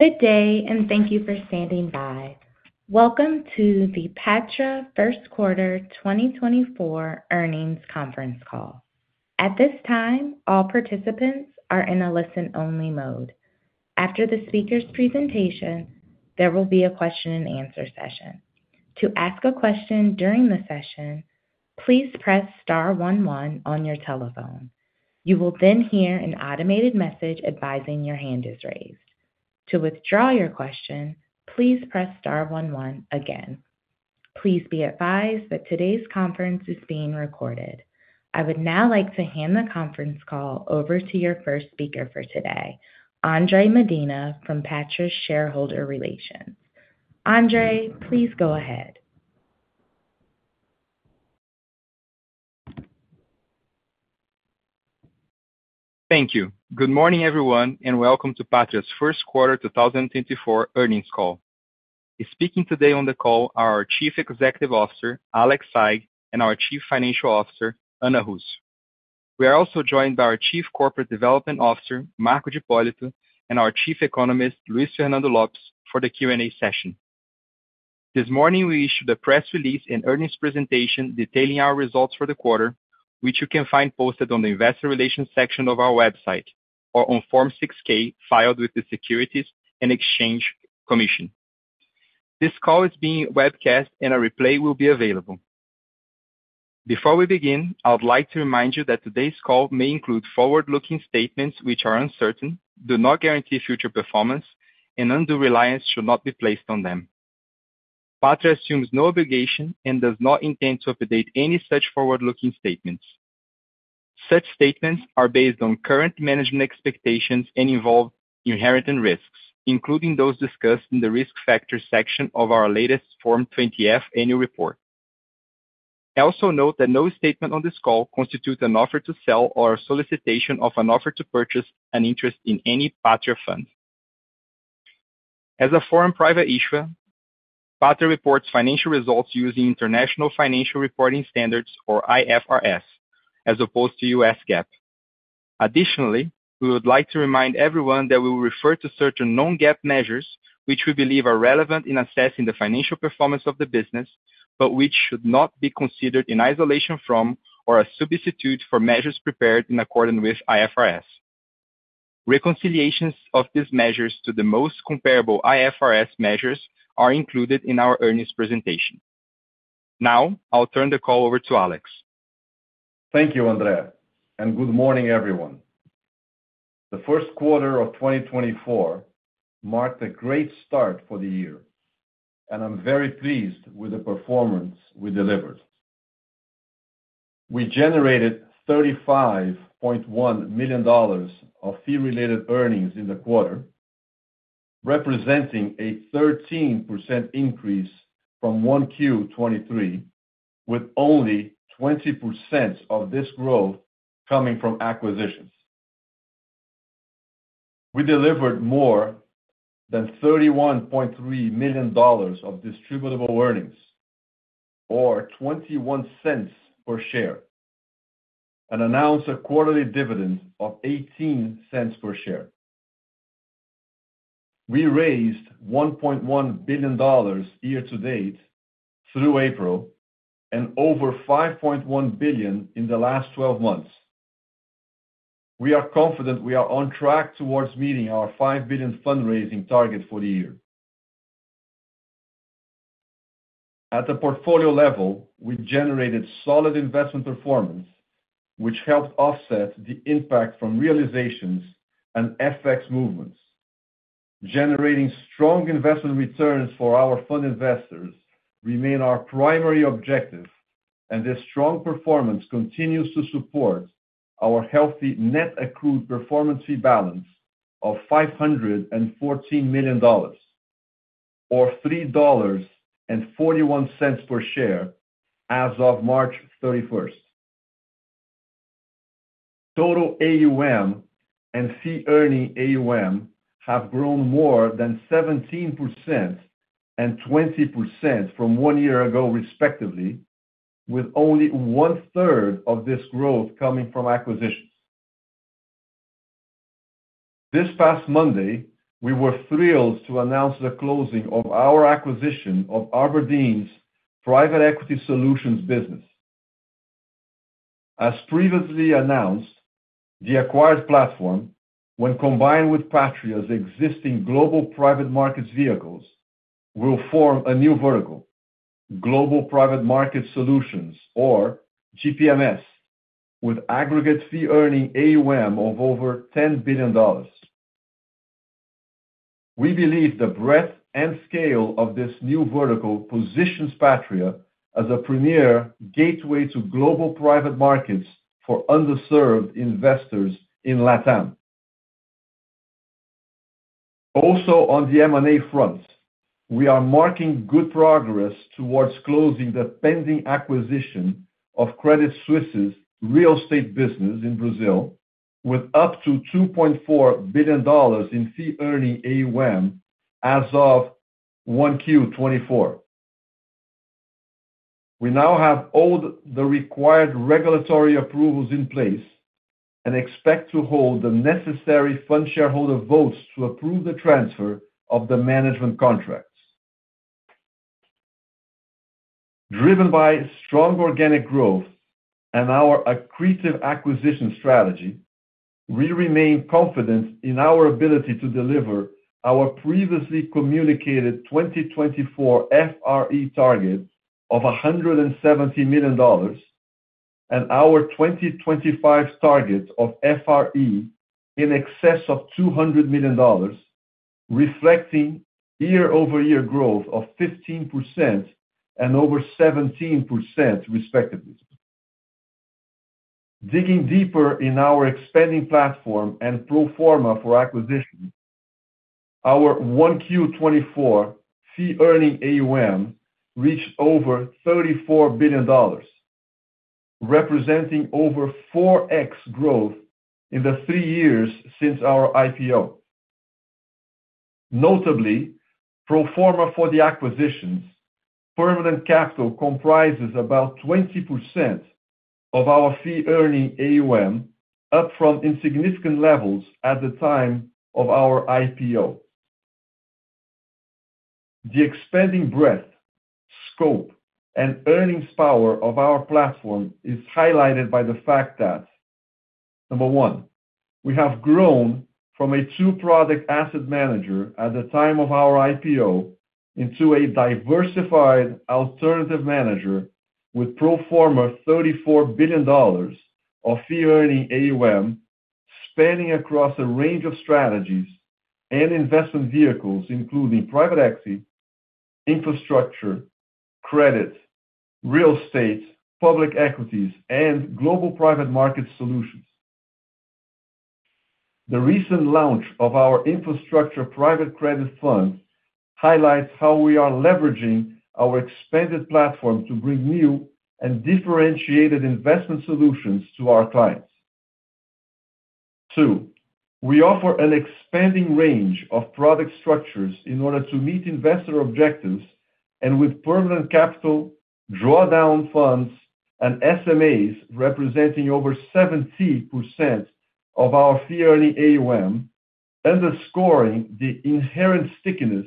Good day, and thank you for standing by. Welcome to the Patria First Quarter 2024 Earnings Conference Call. At this time, all participants are in a listen-only mode. After the speaker's presentation, there will be a question and answer session. To ask a question during the session, please press star one one on your telephone. You will then hear an automated message advising your hand is raised. To withdraw your question, please press star one one again. Please be advised that today's conference is being recorded. I would now like to hand the conference call over to your first speaker for today, Andre Medina from Patria's Shareholder Relations. Andre, please go ahead. Thank you. Good morning, everyone, and welcome to Patria's first quarter 2024 earnings call. Speaking today on the call are our Chief Executive Officer, Alex Saigh, and our Chief Financial Officer, Ana Russo. We are also joined by our Chief Corporate Development Officer, Marco D'Ippolito, and our Chief Economist, Luis Fernando Lopes, for the Q&A session. This morning, we issued a press release and earnings presentation detailing our results for the quarter, which you can find posted on the investor relations section of our website or on Form 6-K, filed with the Securities and Exchange Commission. This call is being webcast, and a replay will be available. Before we begin, I would like to remind you that today's call may include forward-looking statements which are uncertain, do not guarantee future performance, and undue reliance should not be placed on them. Patria assumes no obligation and does not intend to update any such forward-looking statements. Such statements are based on current management expectations and involve inherent risks, including those discussed in the Risk Factors section of our latest Form 20-F annual report. I also note that no statement on this call constitutes an offer to sell or a solicitation of an offer to purchase an interest in any Patria fund. As a foreign private issuer, Patria reports financial results using International Financial Reporting Standards, or IFRS, as opposed to U.S. GAAP. Additionally, we would like to remind everyone that we will refer to certain non-GAAP measures, which we believe are relevant in assessing the financial performance of the business, but which should not be considered in isolation from or a substitute for measures prepared in accordance with IFRS. Reconciliations of these measures to the most comparable IFRS measures are included in our earnings presentation. Now, I'll turn the call over to Alex. Thank you, Andre, and good morning, everyone. The first quarter of 2024 marked a great start for the year, and I'm very pleased with the performance we delivered. We generated $35.1 million of fee-related earnings in the quarter, representing a 13% increase from 1Q 2023, with only 20% of this growth coming from acquisitions. We delivered more than $31.3 million of distributable earnings, or $0.21 per share, and announced a quarterly dividend of $0.18 per share. We raised $1.1 billion year to date through April and over $5.1 billion in the last12 months. We are confident we are on track towards meeting our $5 billion fundraising target for the year. At the portfolio level, we generated solid investment performance, which helped offset the impact from realizations and FX movements. Generating strong investment returns for our fund investors remain our primary objective, and this strong performance continues to support our healthy net accrued performance fee balance of $514 million, or $3.41 per share as of March 31st. Total AUM and fee earning AUM have grown more than 17% and 20% from one year ago, respectively, with only one-third of this growth coming from acquisitions. This past Monday, we were thrilled to announce the closing of our acquisition of abrdn's Private Equity Solutions business. As previously announced, the acquired platform, when combined with Patria's existing global private markets Global Private Markets Solutions, or gpms, with aggregate fee earning AUM of over $10 billion. We believe the breadth and scale of this new vertical positions Patria as a premier gateway to global private markets for underserved investors in LatAm. Also on the M&A front, we are marking good progress towards closing the pending acquisition of Credit Suisse's real estate business in Brazil, with up to $2.4 billion in fee-earning AUM as of 1Q 2024. We now have all the required regulatory approvals in place and expect to hold the necessary fund shareholder votes to approve the transfer of the management contracts. Driven by strong organic growth and our accretive acquisition strategy, we remain confident in our ability to deliver our previously communicated 2024 FRE target of $170 million, and our 2025 target of FRE in excess of $200 million, reflecting year-over-year growth of 15% and over 17%, respectively. Digging deeper in our expanding platform and pro forma for acquisition, our 1Q 2024 fee-earning AUM reached over $34 billion, representing over 4x growth in the three years since our IPO. Notably, pro forma for the acquisitions, permanent capital comprises about 20% of our fee-earning AUM, up from insignificant levels at the time of our IPO. The expanding breadth, scope, and earnings power of our platform is highlighted by the fact that, number one, we have grown from a two-product asset manager at the time of our IPO into a diversified alternative manager with pro forma $34 billion of fee-earning AUM, spanning across a range of strategies and investment vehicles, including private equity, infrastructure, credit, real estate, equities, and Global Private Markets Solutions. The recent launch of our infrastructure private credit fund highlights how we are leveraging our expanded platform to bring new and differentiated investment solutions to our clients. Two, we offer an expanding range of product structures in order to meet investor objectives, and with permanent capital, drawdown funds and SMAs representing over 70% of our fee earning AUM, underscoring the inherent stickiness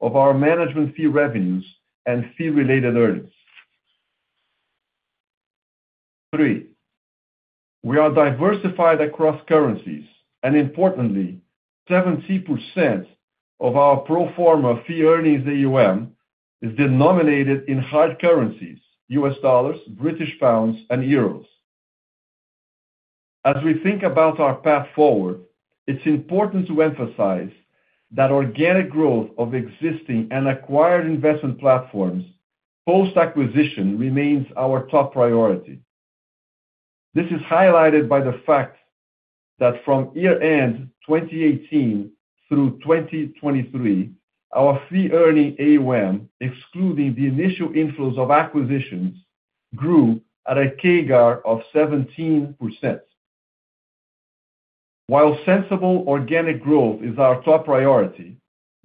of our management fee revenues and fee-related earnings. Three, we are diversified across currencies, and importantly, 70% of our pro forma fee earnings AUM is denominated in hard currencies, U.S. dollars, British pounds, and euros. As we think about our path forward, it's important to emphasize that organic growth of existing and acquired investment platforms, post-acquisition remains our top priority. This is highlighted by the fact that from year-end 2018 through 2023, our fee-earning AUM, excluding the initial inflows of acquisitions, grew at a CAGR of 17%. While sensible organic growth is our top priority,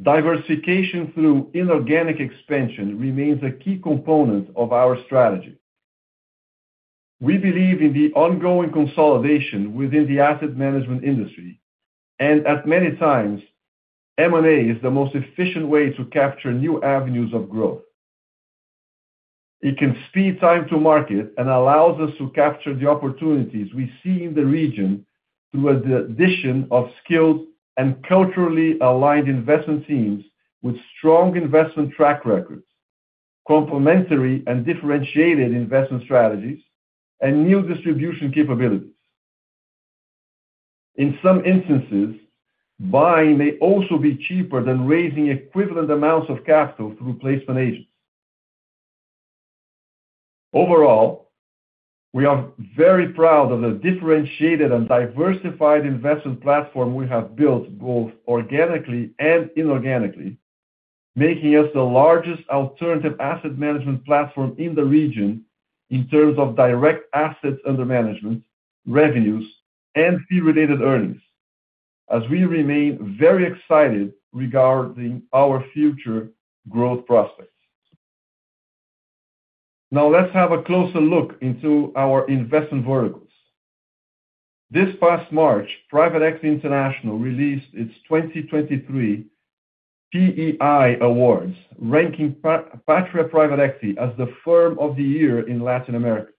diversification through inorganic expansion remains a key component of our strategy. We believe in the ongoing consolidation within the asset management industry, and at many times, M&A is the most efficient way to capture new avenues of growth. It can speed time to market and allows us to capture the opportunities we see in the region through the addition of skilled and culturally aligned investment teams with strong investment track records, complementary and differentiated investment strategies, and new distribution capabilities. In some instances, buying may also be cheaper than raising equivalent amounts of capital through placement agents. Overall, we are very proud of the differentiated and diversified investment platform we have built, both organically and inorganically, making us the largest alternative asset management platform in the region in terms of direct assets under management, revenues, and fee related earnings, as we remain very excited regarding our future growth prospects. Now, let's have a closer look into our investment verticals. This past March, Private Equity International released its 2023 PEI awards, ranking Patria Private Equity as the firm of the year in Latin America.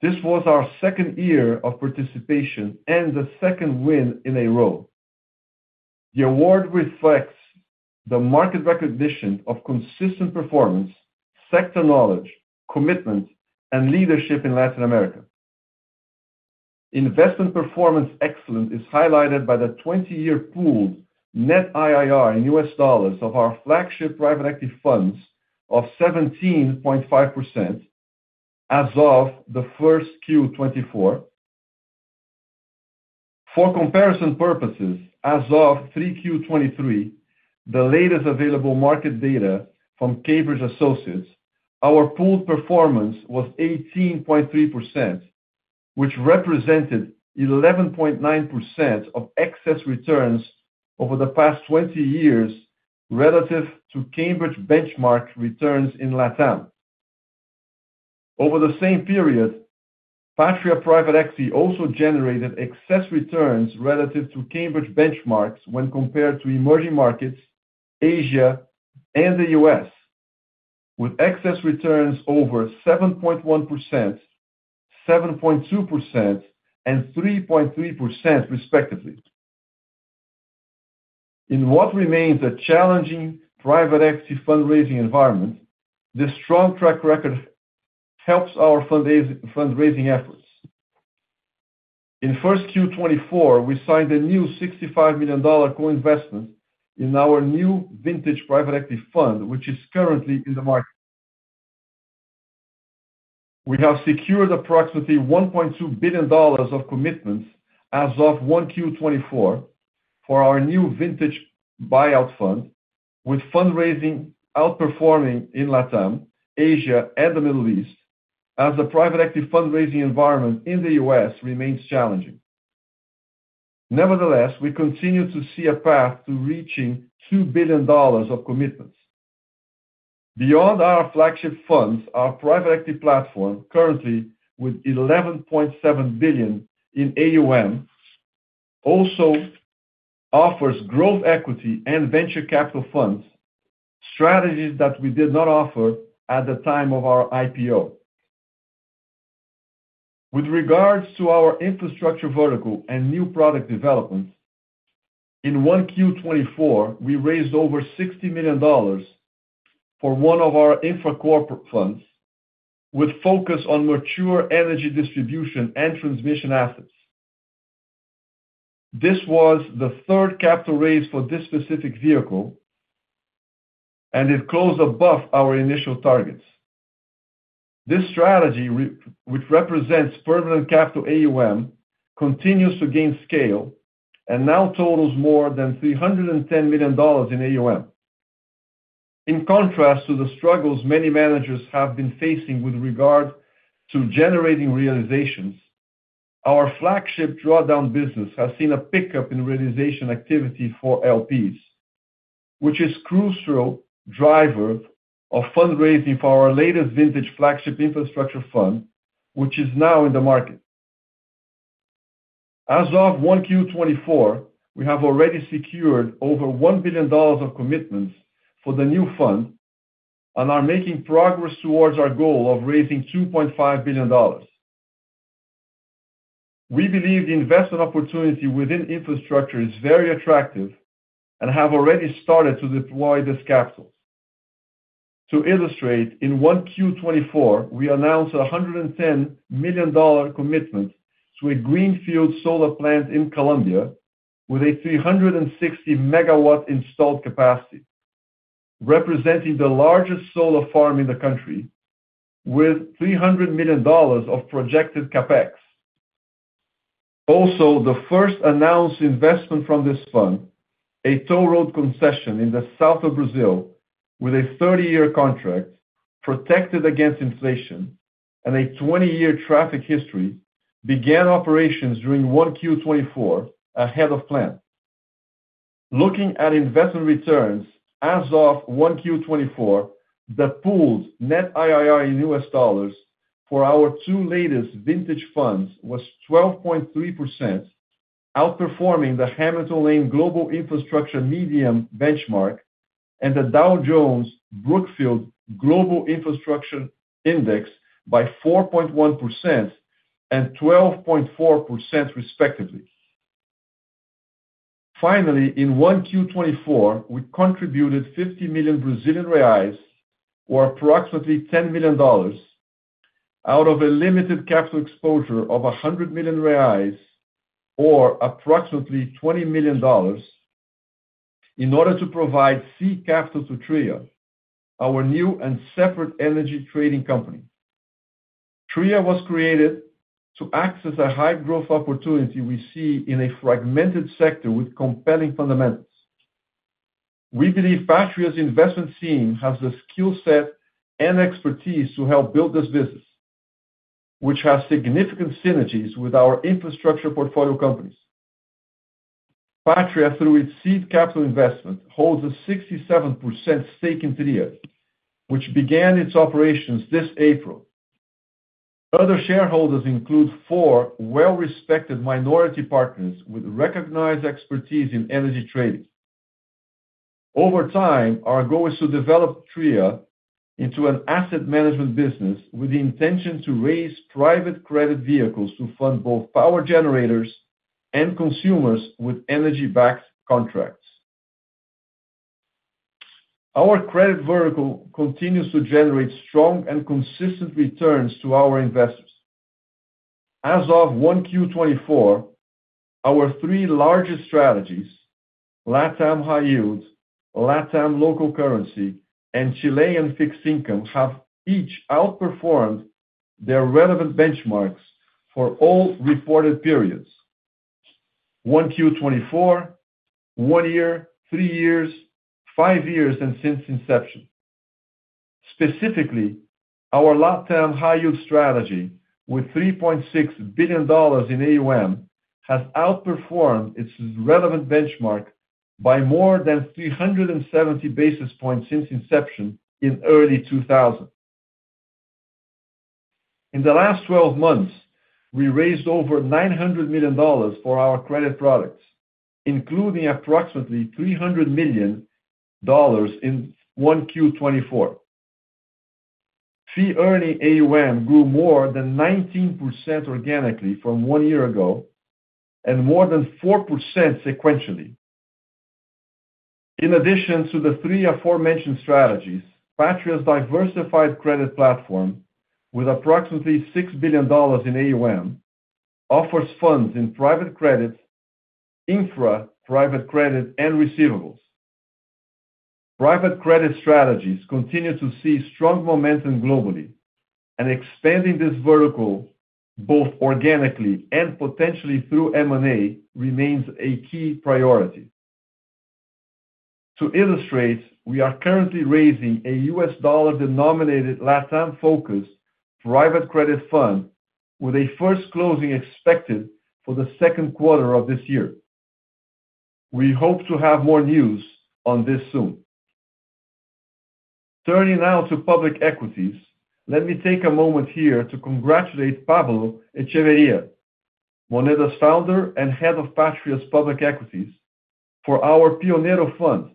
This was our second year of participation and the second win in a row. The award reflects the market recognition of consistent performance, sector knowledge, commitment, and leadership in Latin America. Investment performance excellence is highlighted by the 20-year pooled net IRR in US dollars of our flagship private equity funds of 17.5% as of the first Q 2024. For comparison purposes, as of 3Q 2023, the latest available market data from Cambridge Associates, our pooled performance was 18.3%.... which represented 11.9% of excess returns over the past 20 years relative to Cambridge Benchmark returns in LatAm. Over the same period, Patria Private Equity also generated excess returns relative to Cambridge benchmarks when compared to emerging markets, Asia, and the US, with excess returns over 7.1%, 7.2%, and 3.3% respectively. In what remains a challenging private equity fundraising environment, this strong track record helps our fundraising efforts. In 1Q 2024, we signed a new $65 million co-investment in our new vintage private equity fund, which is currently in the market. We have secured approximately $1.2 billion of commitments as of 1Q 2024 for our new vintage buyout fund, with fundraising outperforming in LatAm, Asia, and the Middle East, as the private equity fundraising environment in the U.S. remains challenging. Nevertheless, we continue to see a path to reaching $2 billion of commitments. Beyond our flagship funds, our private equity platform, currently with $11.7 billion in AUM, also offers growth equity and venture capital funds, strategies that we did not offer at the time of our IPO. With regards to our infrastructure vertical and new product developments, in 1Q 2024, we raised over $60 million for one of our infra corporate funds, with focus on mature energy distribution and transmission assets. This was the third capital raise for this specific vehicle, and it closed above our initial targets. This strategy, which represents permanent capital AUM, continues to gain scale and now totals more than $310 million in AUM. In contrast to the struggles many managers have been facing with regard to generating realizations, our flagship drawdown business has seen a pickup in realization activity for LPs, which is crucial driver of fundraising for our latest vintage flagship infrastructure fund, which is now in the market. As of 1Q 2024, we have already secured over $1 billion of commitments for the new fund and are making progress towards our goal of raising $2.5 billion. We believe the investment opportunity within infrastructure is very attractive and have already started to deploy this capital. To illustrate, in 1Q 2024, we announced a $110 million commitment to a greenfield solar plant in Colombia with a 360 MW installed capacity, representing the largest solar farm in the country, with $300 million of projected CapEx. Also, the first announced investment from this fund, a toll road concession in the south of Brazil with a 30-year contract, protected against inflation and a 20-year traffic history, began operations during 1Q 2024 ahead of plan. Looking at investment returns, as of 1Q 2024, the pooled net IRR in US dollars for our two latest vintage funds was 12.3%, outperforming the Hamilton Lane Global Infrastructure Median Benchmark and the Dow Jones Brookfield Global Infrastructure Index by 4.1% and 12.4% respectively. Finally, in 1Q 2024, we contributed 50 million Brazilian reais, or approximately $10 million, out of a limited capital exposure of 100 million reais, or approximately $20 million, in order to provide seed capital to Tria, our new and separate energy trading company. Tria was created to access a high growth opportunity we see in a fragmented sector with compelling fundamentals. We believe Patria's investment team has the skill set and expertise to help build this business, which has significant synergies with our infrastructure portfolio companies. Patria, through its seed capital investment, holds a 67% stake in Tria, which began its operations this April. Other shareholders include four well-respected minority partners with recognized expertise in energy trading. Over time, our goal is to develop Tria into an asset management business with the intention to raise private credit vehicles to fund both power generators and consumers with energy-backed contracts. Our credit vertical continues to generate strong and consistent returns to our investors. As of 1Q 2024, our three largest strategies, LatAm High Yield, LatAm Local Currency, and Chilean Fixed Income, have each outperformed their relevant benchmarks for all reported periods: 1Q 2024, one year, three years, five years, and since inception. Specifically, our LatAm high yield strategy, with $3.6 billion in AUM, has outperformed its relevant benchmark by more than 370 basis points since inception in early 2000. In the last twelve months, we raised over $900 million for our credit products, including approximately $300 million in 1Q 2024. Fee-earning AUM grew more than 19% organically from one year ago and more than 4% sequentially. In addition to the three aforementioned strategies, Patria's diversified credit platform, with approximately $6 billion in AUM, offers funds in private credit, infra private credit, and receivables. Private credit strategies continue to see strong momentum globally, and expanding this vertical, both organically and potentially through M&A, remains a key priority. To illustrate, we are currently raising a U.S. dollar-denominated LatAm focused private credit fund, with a first closing expected for the second quarter of this year. We hope to have more news on this soon. Turning now to public equities, let me take a moment here to congratulate Pablo Echeverría, Moneda's founder and head of Patria's Public Equities, for our Pionero fund,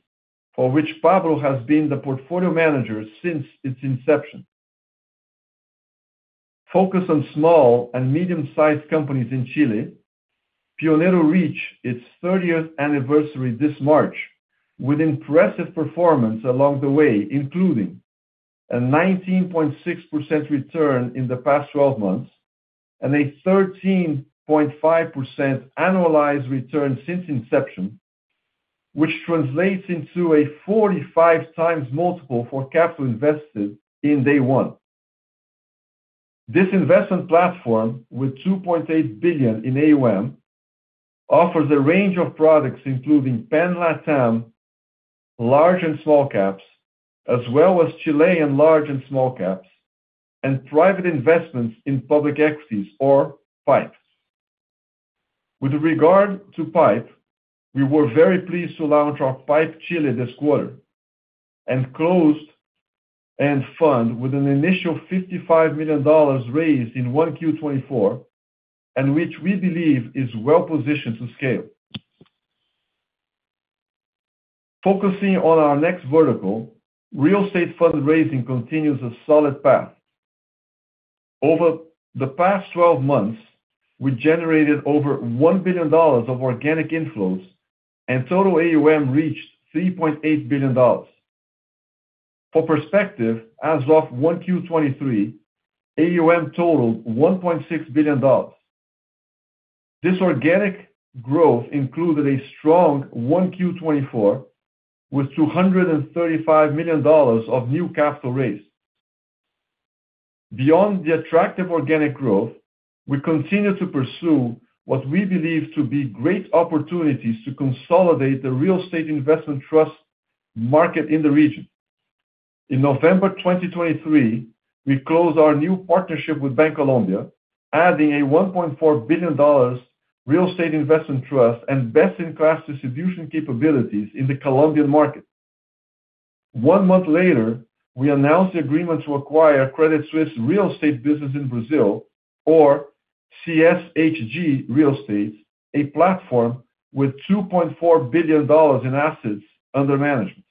for which Pablo has been the portfolio manager since its inception. Focused on small and medium-sized companies in Chile, Pionero reached its thirtieth anniversary this March, with impressive performance along the way, including a 19.6% return in the past twelve months and a 13.5% annualized return since inception, which translates into a 45x multiple for capital invested in day one. This investment platform, with $2.8 billion in AUM, offers a range of products including Pan LatAm, large and small caps, as well as Chilean large and small caps, and private investments in public equities or PIPE. With regard to PIPE, we were very pleased to launch our PIPE Chile this quarter, a closed-end fund with an initial $55 million raised in 1Q 2024, and which we believe is well positioned to scale. Focusing on our next vertical, real estate fundraising continues a solid path. Over the past twelve months, we generated over $1 billion of organic inflows, and total AUM reached $3.8 billion. For perspective, as of 1Q 2023, AUM totaled $1.6 billion. This organic growth included a strong 1Q 2024, with $235 million of new capital raised. Beyond the attractive organic growth, we continue to pursue what we believe to be great opportunities to consolidate the real estate investment trust market in the region. In November 2023, we closed our new partnership with Bancolombia, adding a $1.4 billion real estate investment trust and best-in-class distribution capabilities in the Colombian market. One month later, we announced the agreement to acquire Credit Suisse Real Estate business in Brazil, or CSHG Real Estate, a platform with $2.4 billion in assets under management.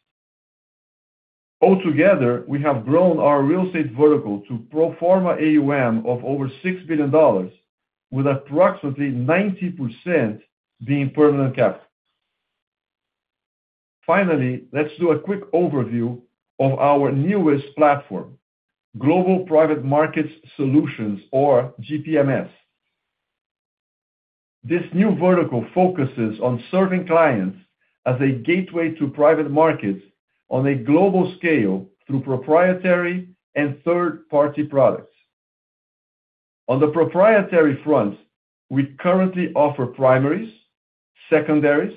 Altogether, we have grown our real estate vertical to pro forma AUM of over $6 billion, with approximately 90% being permanent capital. Finally, let's do a Global Private Markets Solutions, or gpms. this new vertical focuses on serving clients as a gateway to private markets on a global scale through proprietary and third-party products. On the proprietary front, we currently offer primaries, secondaries,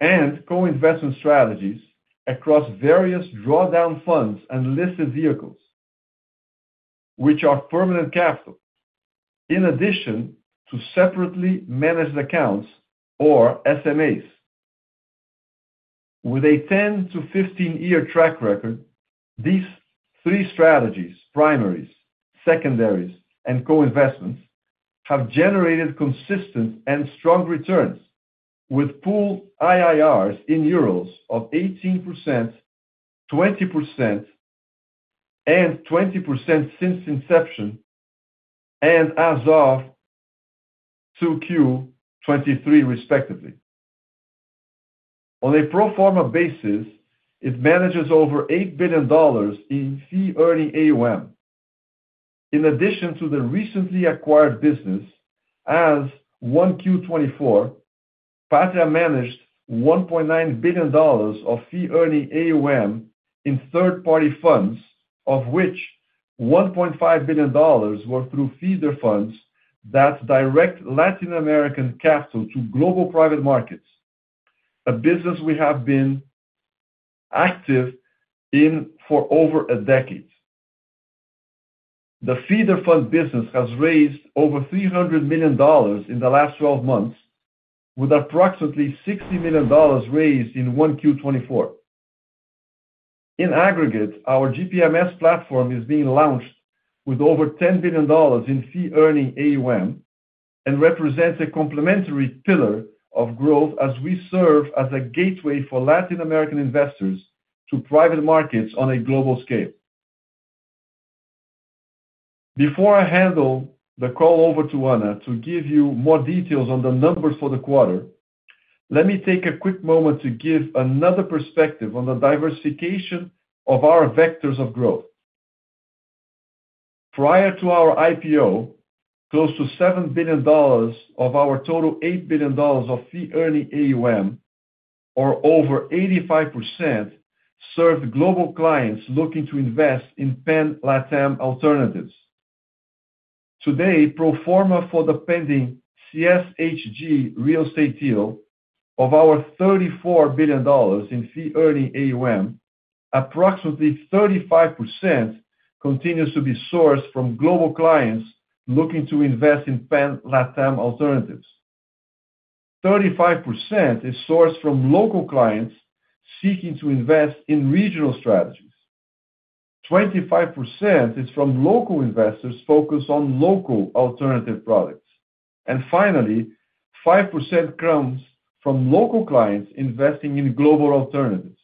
and co-investment strategies across various drawdown funds and listed vehicles, which are permanent capital, in addition to separately managed accounts or SMAs. With a 10- to 15-year track record, these three strategies, primaries, secondaries, and co-investments, have generated consistent and strong returns, with pool IRRs in EUR of 18%, 20%, and 20% since inception, and as of 2Q 2023, respectively. On a pro forma basis, it manages over $8 billion in fee-earning AUM. In addition to the recently acquired business, as 1Q 2024, Patria managed $1.9 billion of fee-earning AUM in third-party funds, of which $1.5 billion were through feeder funds that direct Latin American capital to global private markets.... a business we have been active in for over a decade. The feeder fund business has raised over $300 million in the last 12 months, with approximately $60 million raised in 1Q 2024. In aggregate, our GPMS platform is being launched with over $10 billion in fee-earning AUM, and represents a complementary pillar of growth as we serve as a gateway for Latin American investors to private markets on a global scale. Before I handle the call over to Ana to give you more details on the numbers for the quarter, let me take a quick moment to give another perspective on the diversification of our vectors of growth. Prior to our IPO, close to $7 billion of our total $8 billion of fee-earning AUM, or over 85%, served global clients looking to invest in Pan LatAm alternatives. Today, pro forma for the pending CSHG Real Estate deal of our $34 billion in fee-earning AUM, approximately 35% continues to be sourced from global clients looking to invest in Pan LatAm alternatives. 35% is sourced from local clients seeking to invest in regional strategies. 25% is from local investors focused on local alternative products. And finally, 5% comes from local clients investing in global alternatives.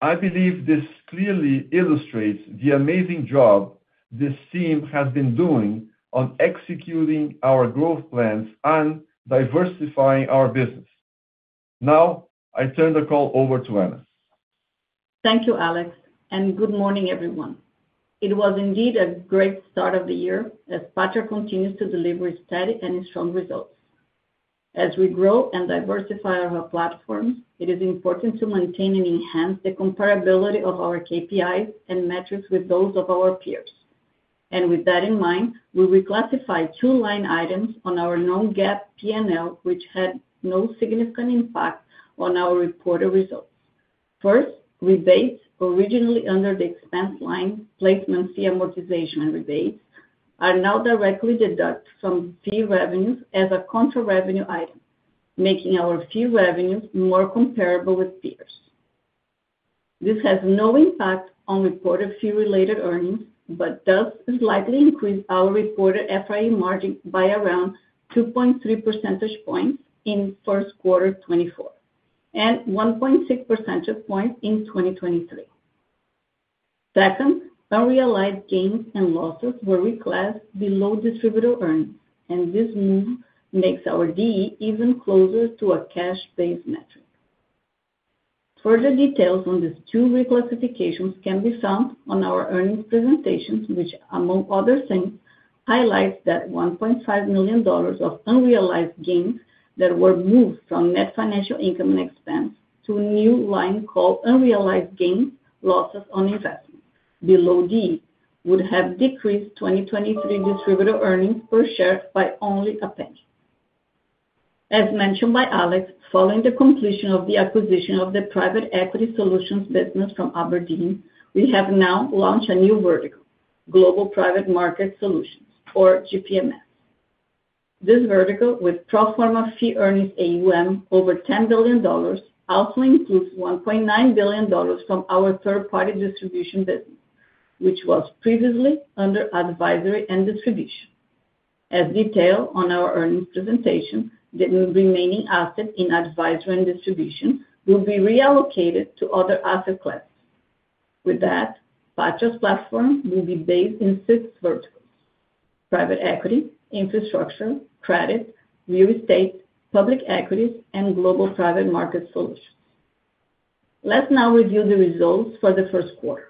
I believe this clearly illustrates the amazing job this team has been doing on executing our growth plans and diversifying our business. Now, I turn the call over to Ana. Thank you, Alex, and good morning, everyone. It was indeed a great start of the year, as Patria continues to deliver steady and strong results. As we grow and diversify our platforms, it is important to maintain and enhance the comparability of our KPIs and metrics with those of our peers. With that in mind, we reclassify two line items on our non-GAAP P&L, which had no significant impact on our reported results. First, rebates originally under the expense line, placement fee amortization and rebates, are now directly deduct from fee revenues as a contra revenue item, making our fee revenues more comparable with peers. This has no impact on reported fee-related earnings, but does slightly increase our reported FRE margin by around 2.3 percentage points in first quarter 2024, and 1.6 percentage points in 2023. Second, unrealized gains and losses were reclassed below Distributable Earnings, and this move makes our DE even closer to a cash-based metric. Further details on these two reclassifications can be found on our earnings presentations, which, among other things, highlights that $1.5 million of unrealized gains that were moved from net financial income and expense to a new line called Unrealized Gains, Losses on Investment below DE, would have decreased 2023 Distributable Earnings per share by only a penny. As mentioned by Alex, following the completion of the acquisition of the private equity solutions business from abrdn, we have now launched a new vertical, Global Private Markets Solutions, or GPMS. This vertical, with pro forma fee earnings AUM over $10 billion, also includes $1.9 billion from our third-party distribution business, which was previously under advisory and distribution. As detailed on our earnings presentation, the remaining assets in advisory and distribution will be reallocated to other asset classes. With that, Patria's platform will be based in six verticals: private equity, infrastructure, credit, real estate, public equities, and Global Private Markets Solutions. Let's now review the results for the first quarter.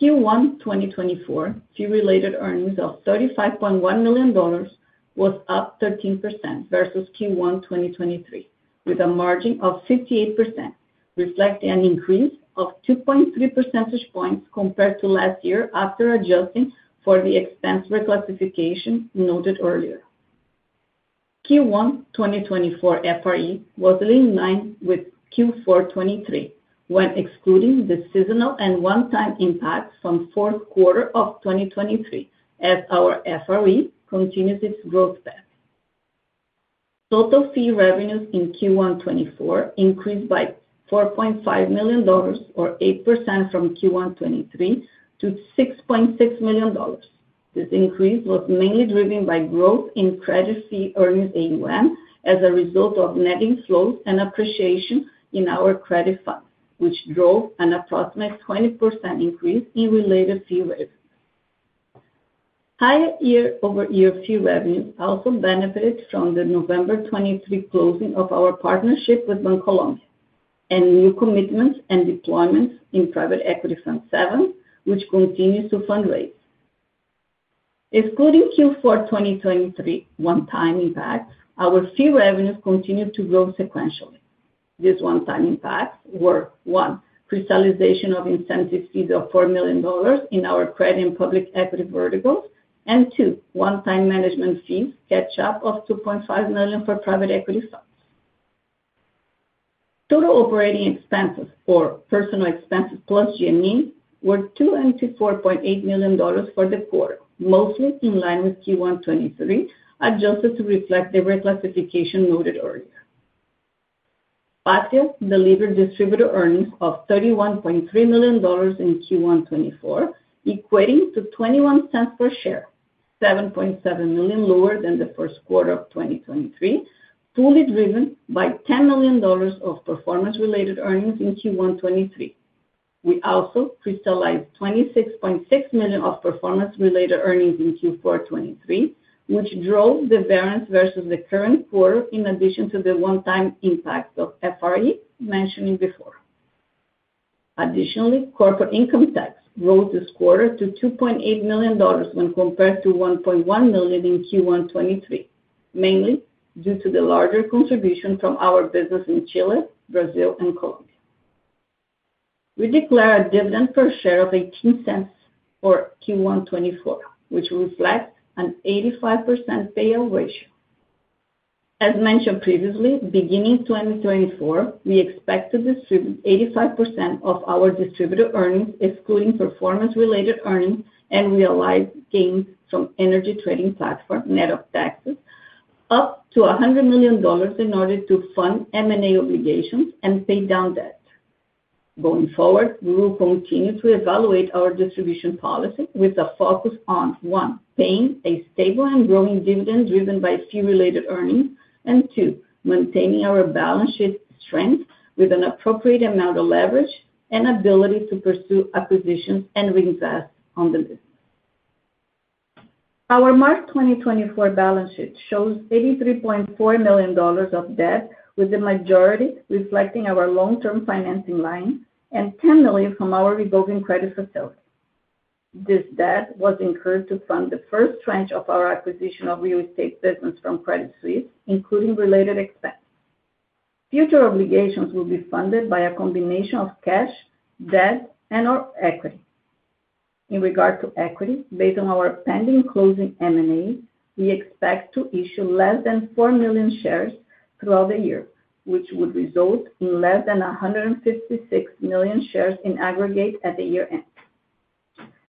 Q1 2024 fee-related earnings of $35.1 million was up 13% versus Q1 2023, with a margin of 58%, reflecting an increase of 2.3 percentage points compared to last year after adjusting for the expense reclassification noted earlier. Q1 2024 FRE was in line with Q4 2023, when excluding the seasonal and one-time impact from fourth quarter of 2023, as our FRE continues its growth path. Total fee revenues in Q1 2024 increased by $4.5 million, or 8% from Q1 2023 to $6.6 million. This increase was mainly driven by growth in credit fee-earning AUM as a result of net inflows and appreciation in our credit funds, which drove an approximate 20% increase in related fee revenues. Higher year-over-year fee revenues also benefited from the November 2023 closing of our partnership with Bancolombia, and new commitments and deployments in Private Equity Fund VII, which continues to fundraise. Excluding Q4 2023 one-time impact, our fee revenues continued to grow sequentially.... These one-time impacts were, one, crystallization of incentive fees of $4 million in our credit and public equity verticals, and two, one-time management fees catch up of $2.5 million for private equity funds. Total operating expenses for personnel expenses plus G&A were $244.8 million for the quarter, mostly in line with Q1 2023, adjusted to reflect the reclassification noted earlier. Patria delivered distributable earnings of $31.3 million in Q1 2024, equating to 21 cents per share, $7.7 million lower than the first quarter of 2023, fully driven by $10 million of performance-related earnings in Q1 2023. We also crystallized $26.6 million of performance-related earnings in Q4 2023, which drove the variance versus the current quarter, in addition to the one-time impact of FRE mentioned before. Additionally, corporate income tax rose this quarter to $2.8 million when compared to $1.1 million in Q1 2023, mainly due to the larger contribution from our business in Chile, Brazil, and Colombia. We declare a dividend per share of $0.18 for Q1 2024, which reflects an 85% payout ratio. As mentioned previously, beginning 2024, we expect to distribute 85% of our distributable earnings, excluding performance-related earnings and realized gains from energy trading platform, net of taxes, up to $100 million in order to fund M&A obligations and pay down debt. Going forward, we will continue to evaluate our distribution policy with a focus on, one, paying a stable and growing dividend driven by fee-related earnings, and two, maintaining our balance sheet strength with an appropriate amount of leverage and ability to pursue acquisitions and reinvest on the business. Our March 2024 balance sheet shows $83.4 million of debt, with the majority reflecting our long-term financing line and $10 million from our revolving credit facility. This debt was incurred to fund the first tranche of our acquisition of real estate business from Credit Suisse, including related expenses. Future obligations will be funded by a combination of cash, debt, and/or equity. In regard to equity, based on our pending closing M&A, we expect to issue less than four million shares throughout the year, which would result in less than 156 million shares in aggregate at the year-end.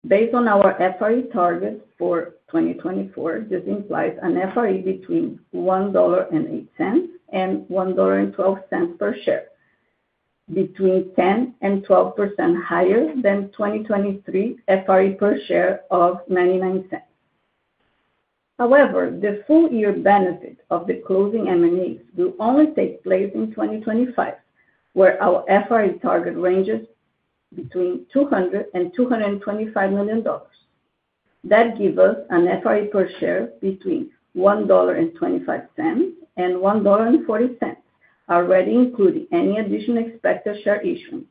Based on our FRE target for 2024, this implies an FRE between $1.08 and $1.12 per share, 10%-12% higher than 2023 FRE per share of $0.99. However, the full year benefit of the closing M&As will only take place in 2025, where our FRE target ranges between $200 million and $225 million. That gives us an FRE per share between $1.25 and $1.40, already including any additional expected share issuance.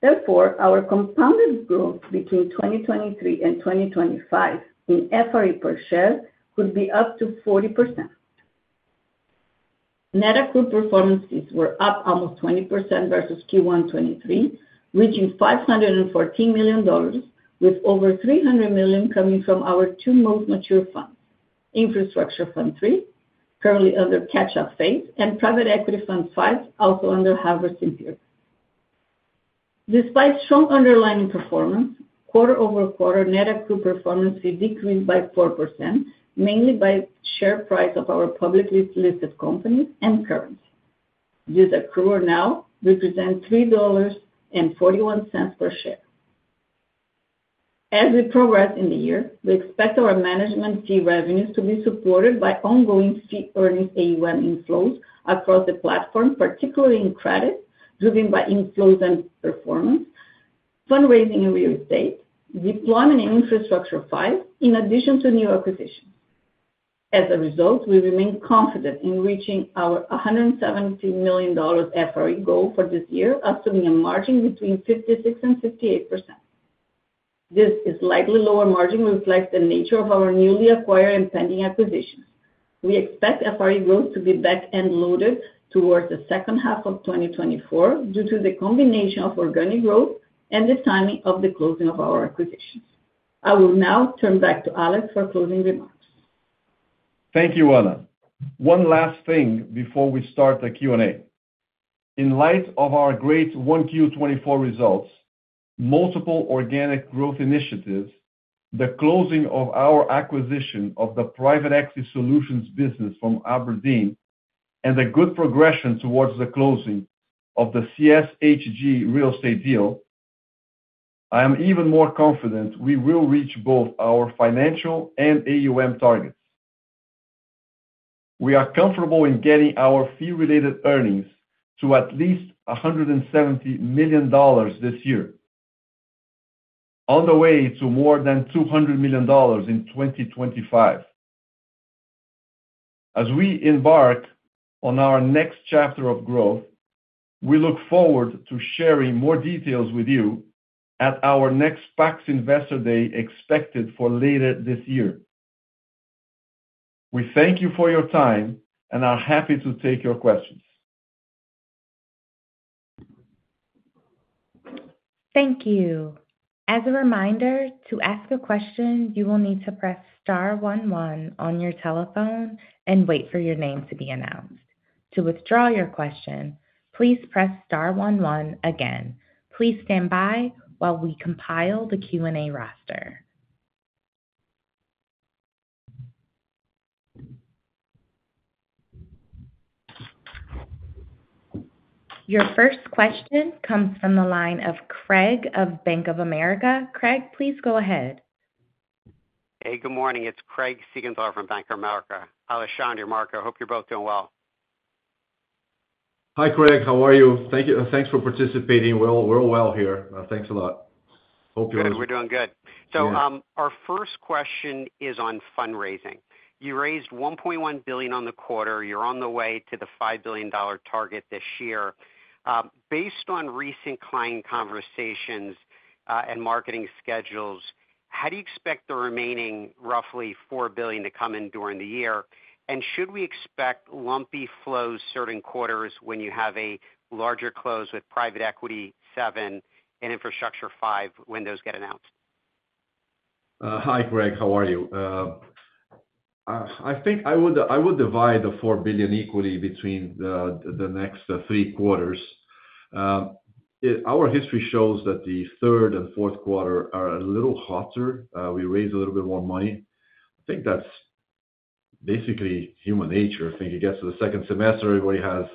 Therefore, our compounded growth between 2023 and 2025 in FRE per share could be up to 40%. Net accrued performance fees were up almost 20% versus Q1 2023, reaching $514 million, with over $300 million coming from our two most mature funds: Infrastructure Fund III, currently under catch-up phase, and Private Equity Fund V, also under harvest period. Despite strong underlying performance, quarter-over-quarter net accrued performance fee decreased by 4%, mainly by share price of our publicly listed companies and currency. This accrual now represents $3.41 per share. As we progress in the year, we expect our management fee revenues to be supported by ongoing fee earning AUM inflows across the platform, particularly in credit, driven by inflows and performance, fundraising in real estate, deployment in infrastructure five, in addition to new acquisitions. As a result, we remain confident in reaching our $170 million FRE goal for this year, assuming a margin between 56%-58%. This is slightly lower margin reflects the nature of our newly acquired and pending acquisitions. We expect FRE growth to be back-end loaded towards the second half of 2024 due to the combination of organic growth and the timing of the closing of our acquisitions. I will now turn back to Alex for closing remarks. Thank you, Ana. One last thing before we start the Q&A. In light of our great 1Q 2024 results, multiple organic growth initiatives, the closing of our acquisition of the Private Markets Solutions business from abrdn, and the good progression towards the closing of the CSHG real estate deal, I am even more confident we will reach both our financial and AUM targets. We are comfortable in getting our fee-related earnings to at least $170 million this year, on the way to more than $200 million in 2025. As we embark on our next chapter of growth, we look forward to sharing more details with you at our next Patria Investor Day, expected for later this year. We thank you for your time, and are happy to take your questions. Thank you. As a reminder, to ask a question, you will need to press star one one on your telephone and wait for your name to be announced. To withdraw your question, please press star one one again. Please stand by while we compile the Q&A roster. Your first question comes from the line of Craig of Bank of America. Craig, please go ahead. Hey, good morning. It's Craig Siegenthaler from Bank of America. Alexandre, Marco, I hope you're both doing well. Hi, Craig. How are you? Thank you. Thanks for participating. We're all, we're all well here. Thanks a lot. Hope you are. Good. We're doing good. Yeah. So, our first question is on fundraising. You raised $1.1 billion on the quarter. You're on the way to the $5 billion target this year. Based on recent client conversations and marketing schedules, how do you expect the remaining roughly $4 billion to come in during the year? And should we expect lumpy flows certain quarters when you have a larger close with private equity seven and infrastructure five, when those get announced? Hi, Craig. How are you? I think I would divide the $4 billion equally between the next three quarters. Our history shows that the third and fourth quarter are a little hotter. We raise a little bit more money. I think that's basically human nature. I think it gets to the second semester, everybody has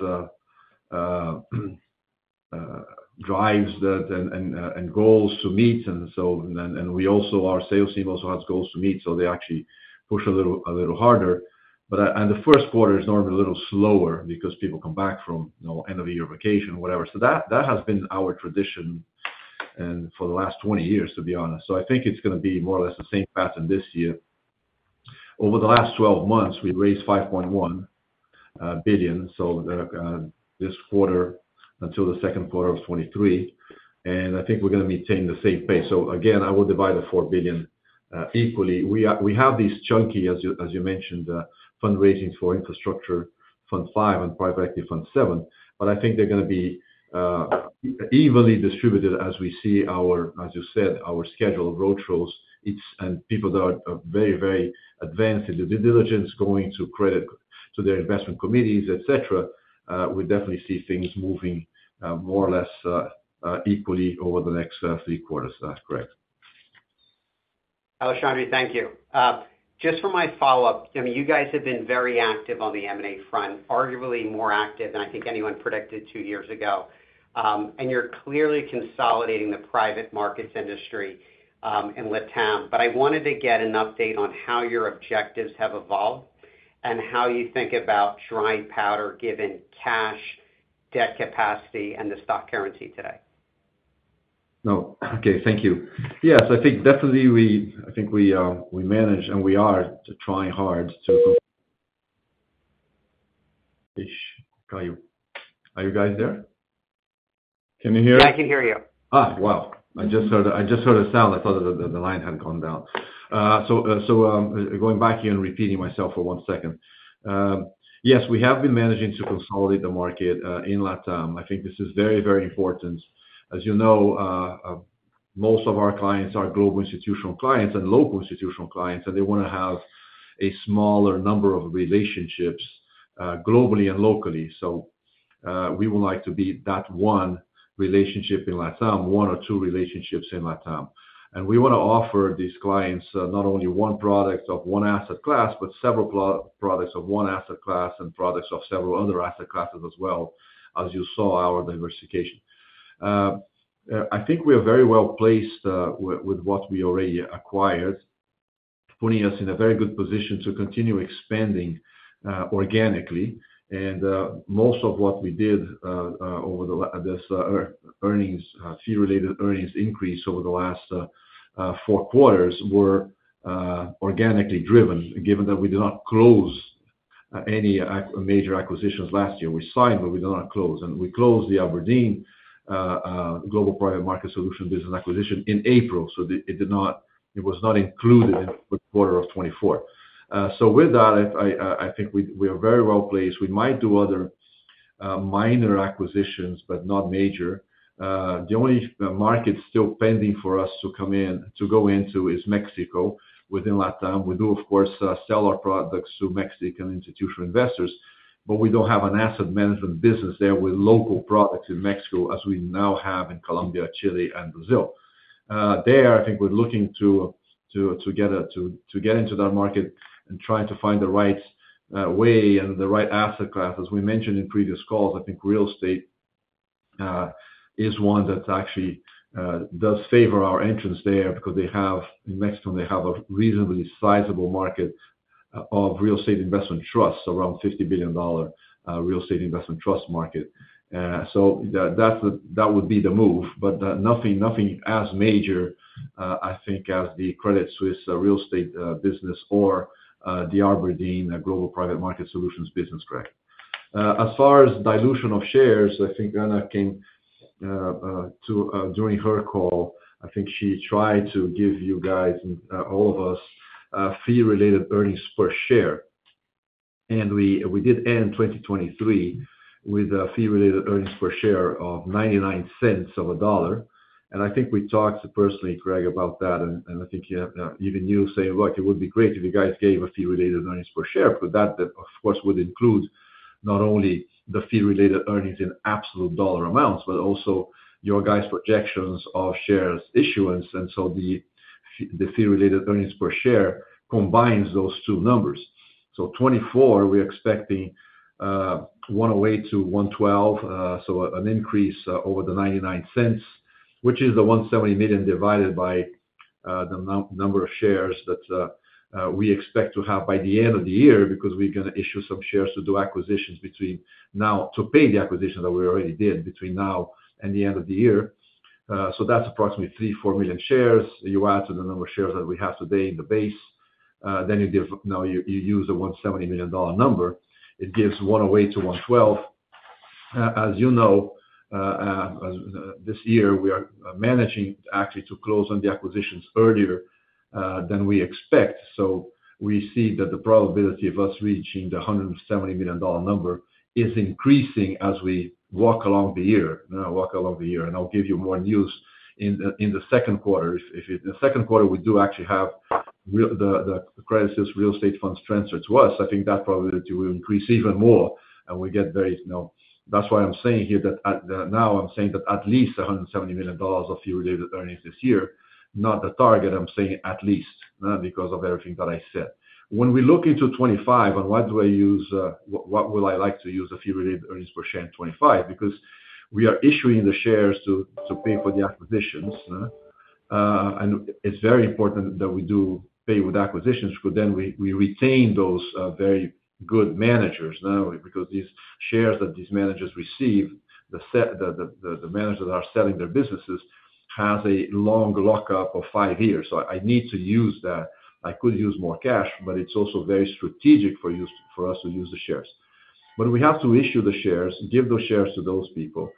drives that and goals to meet, and so—and we also, our sales team also has goals to meet, so they actually push a little harder. But the first quarter is normally a little slower because people come back from, you know, end of the year vacation, whatever. So that has been our tradition, and for the last 20 years, to be honest. So I think it's gonna be more or less the same pattern this year. Over the last 12 months, we've raised $5.1 billion, so this quarter until the second quarter of 2023, and I think we're gonna maintain the same pace. So again, I would divide the $4 billion equally. We have these chunky, as you mentioned, fundraising for Infrastructure Fund V and Private Equity Fund VII, but I think they're gonna be evenly distributed as we see our, as you said, our scheduled road shows. And people that are very advanced in the due diligence, going to their investment committees, et cetera, we definitely see things moving more or less equally over the next three quarters. That's correct. Alexandre, thank you. Just for my follow-up, I mean, you guys have been very active on the M&A front, arguably more active than I think anyone predicted two years ago. And you're clearly consolidating the private markets industry in LatAm. But I wanted to get an update on how your objectives have evolved, and how you think about dry powder, given cash, debt capacity, and the stock guarantee today. No. Okay, thank you. Yes, I think definitely we—I think we, we manage, and we are to try hard to... Are you guys there? Can you hear me? Yeah, I can hear you. Ah, wow! I just heard a sound. I thought that the line had gone down. So, going back and repeating myself for one second. Yes, we have been managing to consolidate the market in LatAm. I think this is very, very important. As you know, most of our clients are global institutional clients and local institutional clients, and they wanna have a smaller number of relationships globally and locally. So, we would like to be that one relationship in LatAm, one or two relationships in LatAm. And we wanna offer these clients not only one product of one asset class, but several products of one asset class and products of several other asset classes as well, as you saw our diversification. I think we are very well placed with what we already acquired, putting us in a very good position to continue expanding organically. Most of what we did over this earnings, fee-related earnings increase over the last four quarters were organically driven, given that we did not close any major acquisitions last year. We signed, but we do Global Private Markets Solutions business acquisition in april, so it was not included in the quarter of 2024. So with that, I think we are very well placed. We might do other minor acquisitions, but not major. The only market still pending for us to go into is Mexico, within LatAm. We do, of course, sell our products to Mexican institutional investors, but we don't have an asset management business there with local products in Mexico, as we now have in Colombia, Chile, and Brazil. There, I think we're looking to get into that market and trying to find the right way and the right asset class. As we mentioned in previous calls, I think real estate is one that actually does favor our entrance there because they have, in Mexico, they have a reasonably sizable market of real estate investment trusts, around $50 billion real estate investment trust market. So that would be the move, but nothing as major, I think, as the Credit Suisse real estate business or the abrdn Global Private Markets Solutions business, correct. As far as dilution of shares, I think Ana came to during her call. I think she tried to give you guys and all of us fee-related earnings per share. And we did end 2023 with a fee-related earnings per share of $0.99. And I think we talked personally, Craig, about that, and I think you even say, "Look, it would be great if you guys gave a fee-related earnings per share," but that, of course, would include not only the fee-related earnings in absolute dollar amounts, but also your guys' projections of shares issuance. And so the fee-related earnings per share combines those two numbers. So 2024, we're expecting 1.08%-1.12%, so an increase over the $0.99, which is the $170 million divided by the number of shares that we expect to have by the end of the year, because we're gonna issue some shares to do acquisitions between now to pay the acquisition that we already did between now and the end of the year. So that's approximately three to four million shares. You add to the number of shares that we have today in the base, then you give now you use the $170 million number, it gives 1.08%-1.12%. As you know, as this year, we are managing actually to close on the acquisitions earlier than we expect. So we see that the probability of us reaching the $170 million number is increasing as we walk along the year, walk along the year. And I'll give you more news in the second quarter. If the second quarter, we do actually have real- the credits as real estate funds transfer to us, I think that probability will increase even more, and we get very, you know. That's why I'm saying here that now I'm saying that at least $170 million of fee-related earnings this year, not the target. I'm saying at least, because of everything that I said. When we look into 2025, and what do I use, what, what will I like to use a fee-related earnings per share in 2025? Because we are issuing the shares to pay for the acquisitions, and it's very important that we do pay with acquisitions, because then we retain those very good managers, because these shares that these managers receive, the managers that are selling their businesses, has a long lockup of five years. So I need to use that. I could use more cash, but it's also very strategic for us to use the shares. But we have to issue the shares, give those shares to those people,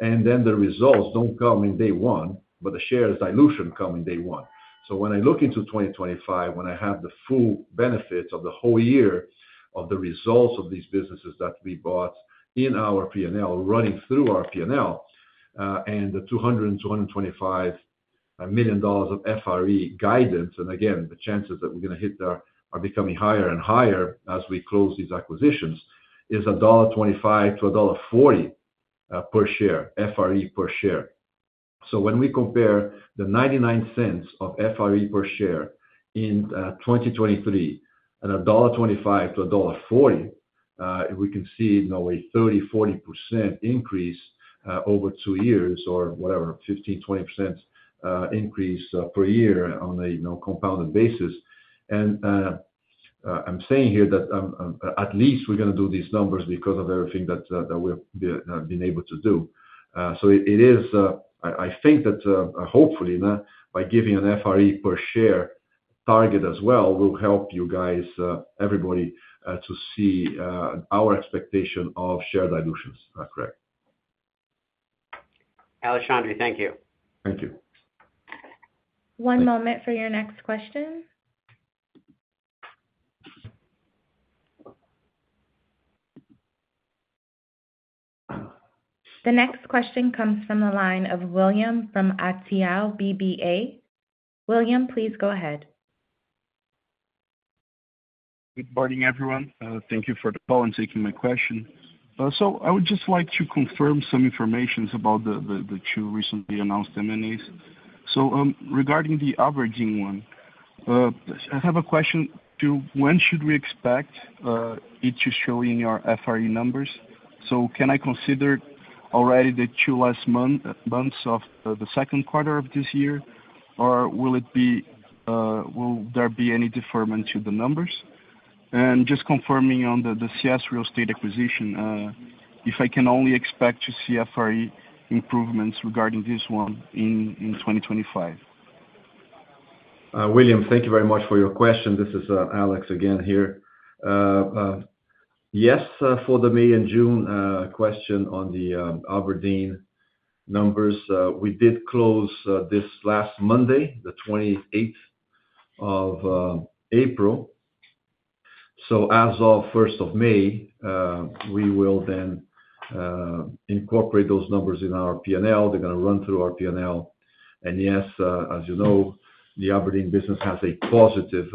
and then the results don't come in day one, but the shares dilution come in day one. So when I look into 2025, when I have the full benefits of the whole year of the results of these businesses that we bought in our P&L, running through our P&L, and the $225 million of FRE guidance, and again, the chances that we're going to hit that are becoming higher and higher as we close these acquisitions, is $1.25-$1.40 per share, FRE per share. So when we compare the $0.99 of FRE per share in 2023, and $1.25-$1.40, we can see now a 30%-40% increase over two years or whatever, 15%-20% increase per year on a, you know, compounded basis. I'm saying here that at least we're going to do these numbers because of everything that we've been able to do. So it is, I think that hopefully by giving an FRE per share target as well, will help you guys, everybody to see our expectation of share dilutions. Correct. Alexandre, thank you. Thank you. One moment for your next question. The next question comes from the line of William from Itaú BBA. William, please go ahead. Good morning, everyone. Thank you for the call and taking my question. So, I would just like to confirm some information about the two recently announced M&As. So, regarding the abrdn one, I have a question to when should we expect it to show in your FRE numbers? So can I consider already the two last months of the second quarter of this year, or will it be, will there be any deferment to the numbers? And just confirming on the CS Real Estate acquisition, if I can only expect to see FRE improvements regarding this one in 2025. William, thank you very much for your question. This is Alex again here. Yes, for the May and June question on the abrdn numbers, we did close this last Monday, the twenty-eighth of April. So as of first of May, we will then incorporate those numbers in our P&L. They're going to run through our P&L. And yes, as you know, the abrdn business has a positive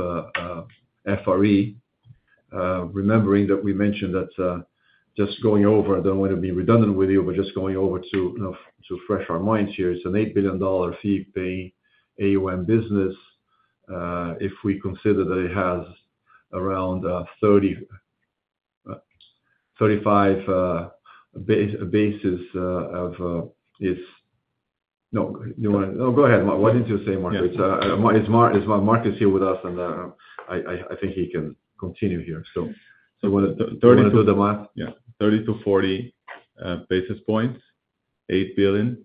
FRE. Remembering that we mentioned that, just going over, I don't want to be redundant with you, but just going over to, you know, to refresh our minds here, it's an $8 billion fee-paying AUM business, if we consider that it has around 30, 35 basis of, if... Oh, go ahead, Mark. Why don't you say, Mark? It's Mark. Mark is here with us, and I think he can continue here. So. 30 to the mark. Yeah. 30-40 basis points, $8 billion.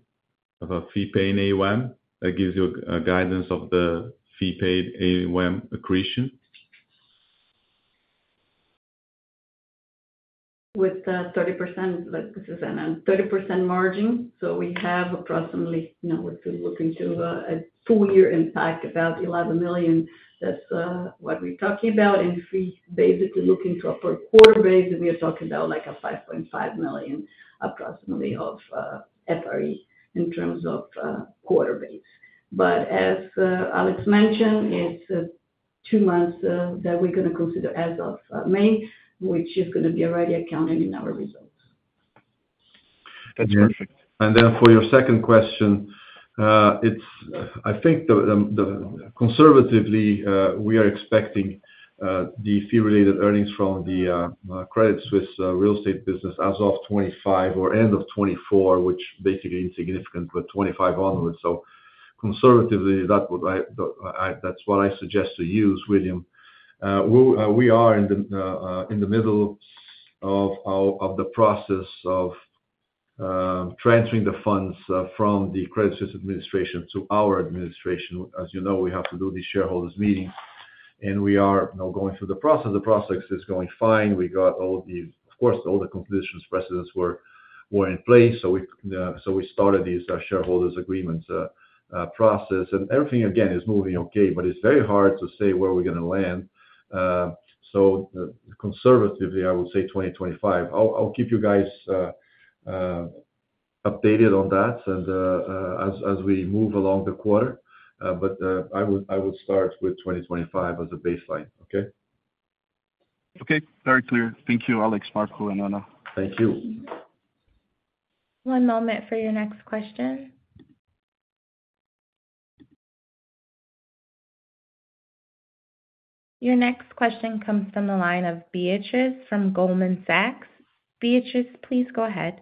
Of a fee paying AUM, that gives you guidance of the fee paid AUM accretion. With 30%, like this is a 30% margin. So we have approximately, you know, we're looking to a full year impact, about $11 million. That's what we're talking about. And if we basically look into a per quarter base, then we are talking about like a $5.5 million, approximately, of FRE in terms of quarter base. But as Alex mentioned, it's two months that we're gonna consider as of May, which is gonna be already accounted in our results. That's perfect. Then for your second question, it's—I think, conservatively, we are expecting the fee-related earnings from the Credit Suisse real estate business as of 2025 or end of 2024, which basically insignificant, but 2025 onwards. So conservatively, that would... That's what I suggest to use, William. We are in the middle of the process of transferring the funds from the Credit Suisse administration to our administration. As you know, we have to do the shareholders' meeting, and we are now going through the process. The process is going fine. We got all the... Of course, all the closing precedents were in place, so we started these shareholders' agreements process. Everything, again, is moving okay, but it's very hard to say where we're gonna land. So, conservatively, I would say 2025. I'll keep you guys updated on that and as we move along the quarter. But I would start with 2025 as a baseline. Okay? Okay. Very clear. Thank you, Alex, Marco, and Ana. Thank you. One moment for your next question. Your next question comes from the line of Beatriz from Goldman Sachs. Beatriz, please go ahead.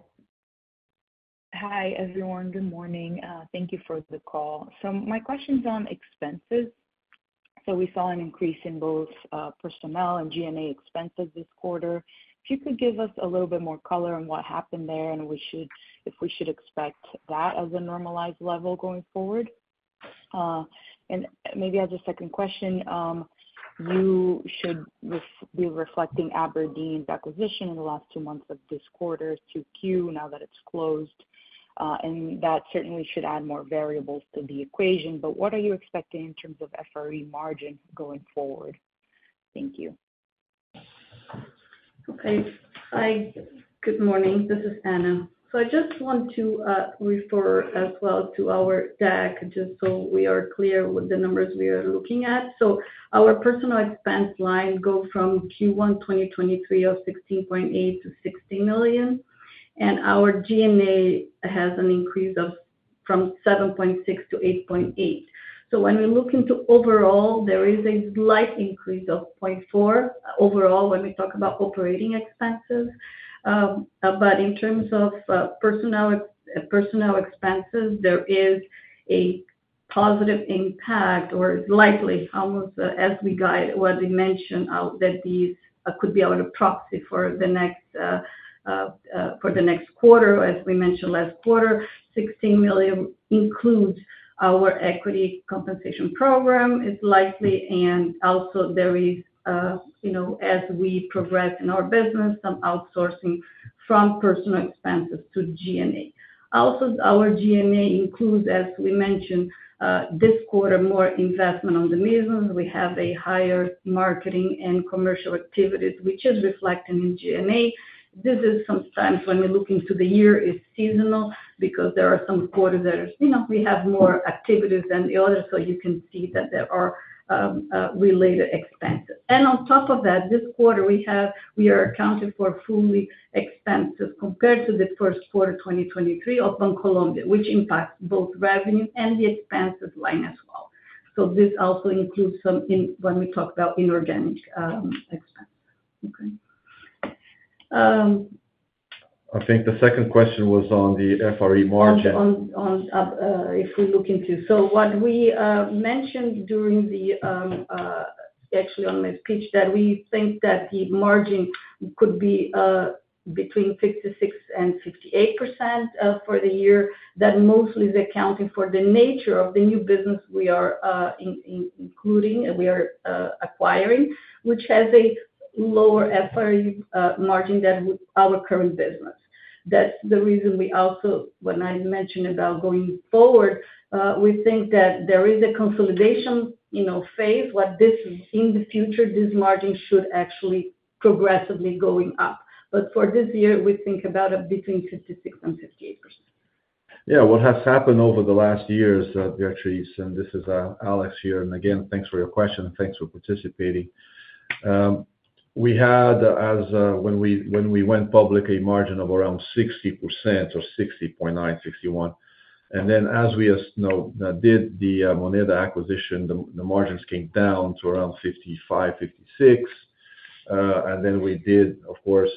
Hi, everyone. Good morning. Thank you for the call. So my question's on expenses. So we saw an increase in both personnel and G&A expenses this quarter. If you could give us a little bit more color on what happened there, and if we should expect that as a normalized level going forward? And maybe as a second question, you should be reflecting abrdn's acquisition in the last two months of this quarter to Q, now that it's closed, and that certainly should add more variables to the equation. But what are you expecting in terms of FRE margin going forward? Thank you. Okay. Hi, good morning. This is Ana. So I just want to refer as well to our deck, just so we are clear with the numbers we are looking at. So our personnel expense line goes from Q1 2023 of $16.8 million-$16 million, and our G&A has an increase from 7.6%-8.8%. So when we look into overall, there is a slight increase of 0.4% overall, when we talk about operating expenses. But in terms of personnel, personnel expenses, there is a positive impact, or likely, almost as we guide, what we mentioned, that these could be able to proxy for the next quarter. As we mentioned, last quarter, $16 million includes our equity compensation program, is likely, and also there is, you know, as we progress in our business, some outsourcing from personnel expenses to G&A. Also, our G&A includes, as we mentioned, this quarter, more investment on the maison. We have a higher marketing and commercial activities, which is reflecting in G&A. This is sometimes when we look into the year, it's seasonal, because there are some quarters that are... You know, we have more activities than the others, so you can see that there are, related expenses. And on top of that, this quarter we are accounted for fully expenses compared to the first quarter 2023 of Bancolombia, which impacts both revenue and the expenses line as well. So this also includes some in, when we talk about inorganic, expense. Okay. I think the second question was on the FRE margin. If we look into... So what we mentioned during the, actually on my speech, that we think that the margin could be between 56% and 58% for the year. That mostly is accounting for the nature of the new business we are including and we are acquiring, which has a lower FRE margin than our current business. That's the reason we also when I mentioned about going forward, we think that there is a consolidation, you know, phase. What this is, in the future, this margin should actually progressively going up. But for this year, we think about it between 56% and 58%. Yeah. What has happened over the last years, Beatriz, and this is, Alex here, and again, thanks for your question, thanks for participating. We had, as when we went public, a margin of around 60% or 60.9%-61%. And then, as we, you know, did the Moneda acquisition, the margins came down to around 55%-56%. And then we did, of course,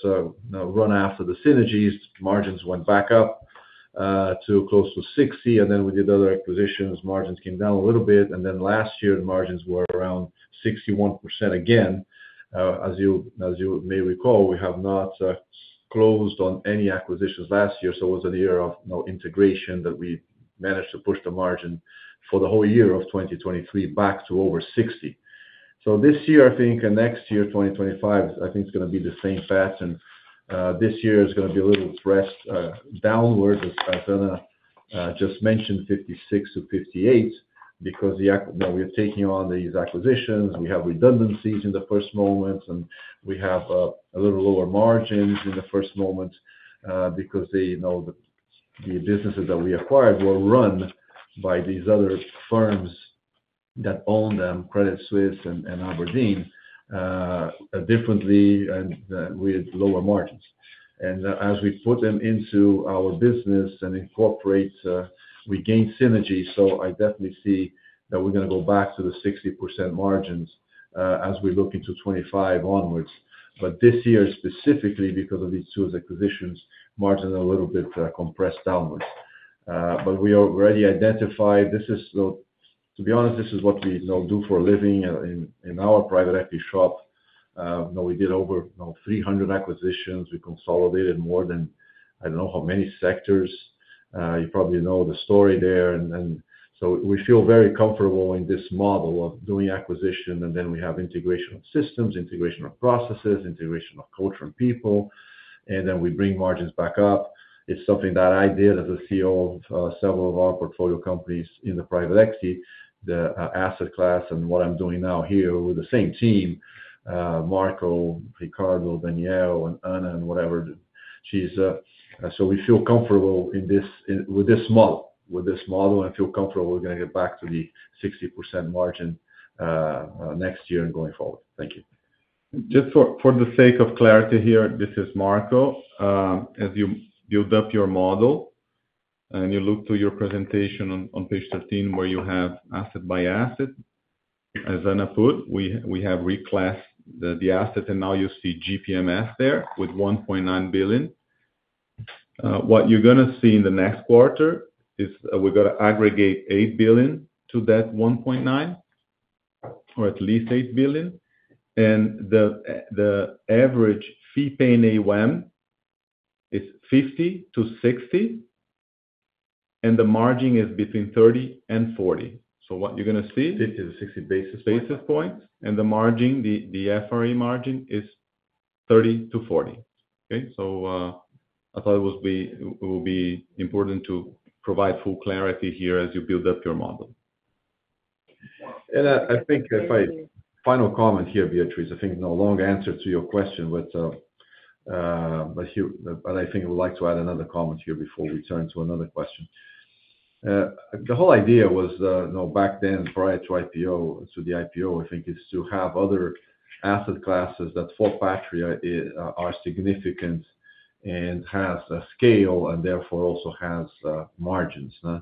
run after the synergies. Margins went back up to close to 60%, and then we did other acquisitions, margins came down a little bit. And then last year, the margins were around 61% again. As you may recall, we have not closed on any acquisitions last year, so it was a year of, you know, integration that we. Managed to push the margin for the whole year of 2023 back to over 60%. So this year, I think, and next year, 2025, I think it's gonna be the same pattern. This year is gonna be a little pressed downward, as Ana just mentioned, 56%-58%, because now we are taking on these acquisitions, we have redundancies in the first moment, and we have a little lower margins in the first moment, because they, you know, the businesses that we acquired were run by these other firms that own them, Credit Suisse and abrdn, differently and with lower margins. And as we put them into our business and incorporate, we gain synergy. So I definitely see that we're gonna go back to the 60% margins, as we look into 2025 onwards. But this year, specifically because of these two acquisitions, margins are a little bit compressed downwards. But we already identified this is the—to be honest, this is what we, you know, do for a living in, in our private equity shop. You know, we did over, you know, 300 acquisitions. We consolidated more than I know how many sectors. You probably know the story there. So we feel very comfortable in this model of doing acquisition, and then we have integration of systems, integration of processes, integration of culture and people, and then we bring margins back up. It's something that I did as a CEO of several of our portfolio companies in the private equity, the asset class, and what I'm doing now here with the same team, Marco, Ricardo, Daniel, and Ana, and whatever she is. So, we feel comfortable with this model and feel comfortable we're gonna get back to the 60% margin next year and going forward. Thank you. Just for the sake of clarity here, this is Marco. As you build up your model and you look to your presentation on page 13, where you have asset by asset, as Ana put, we have reclassed the asset, and now you see GPMS there with $1.9 billion. What you're gonna see in the next quarter is we're gonna aggregate $8 billion to that $1.9 billion, or at least $8 billion. And the average fee paying AUM is $50 million-$60 million, and the margin is between 30% and 40%. So what you're gonna see. 50-60 basis points. Basis points. And the margin, the FRE margin is 30-40. Okay, so I thought it would be important to provide full clarity here as you build up your model. I think if I—final comment here, Beatriz, I think not a long answer to your question, but I think I would like to add another comment here before we turn to another question. The whole idea was, you know, back then, prior to the IPO, I think, is to have other asset classes that for Patria are significant and has a scale and therefore also has margins, huh?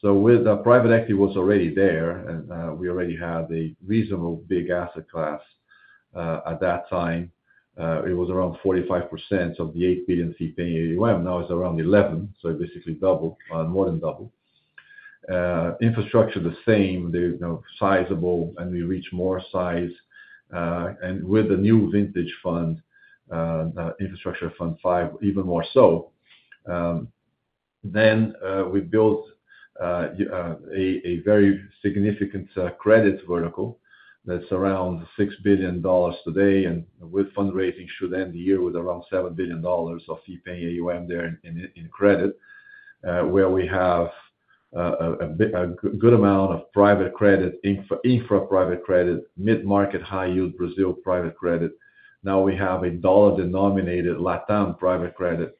So with the private equity was already there, and we already had a reasonable big asset class. At that time, it was around 45% of the $8 billion fee-paying AUM; now it's around $11 billion, so basically double, more than double. Infrastructure, the same, they're, you know, sizable, and we reach more size, and with the new vintage fund, Infrastructure Fund V, even more so. Then, we built a very significant credit vertical that's around $6 billion today, and with fundraising should end the year with around $7 billion of fee-paying AUM there in credit, where we have a big amount of private credit, infra private credit, mid-market, high yield Brazil private credit. Now we have a dollar-denominated LatAm private credit.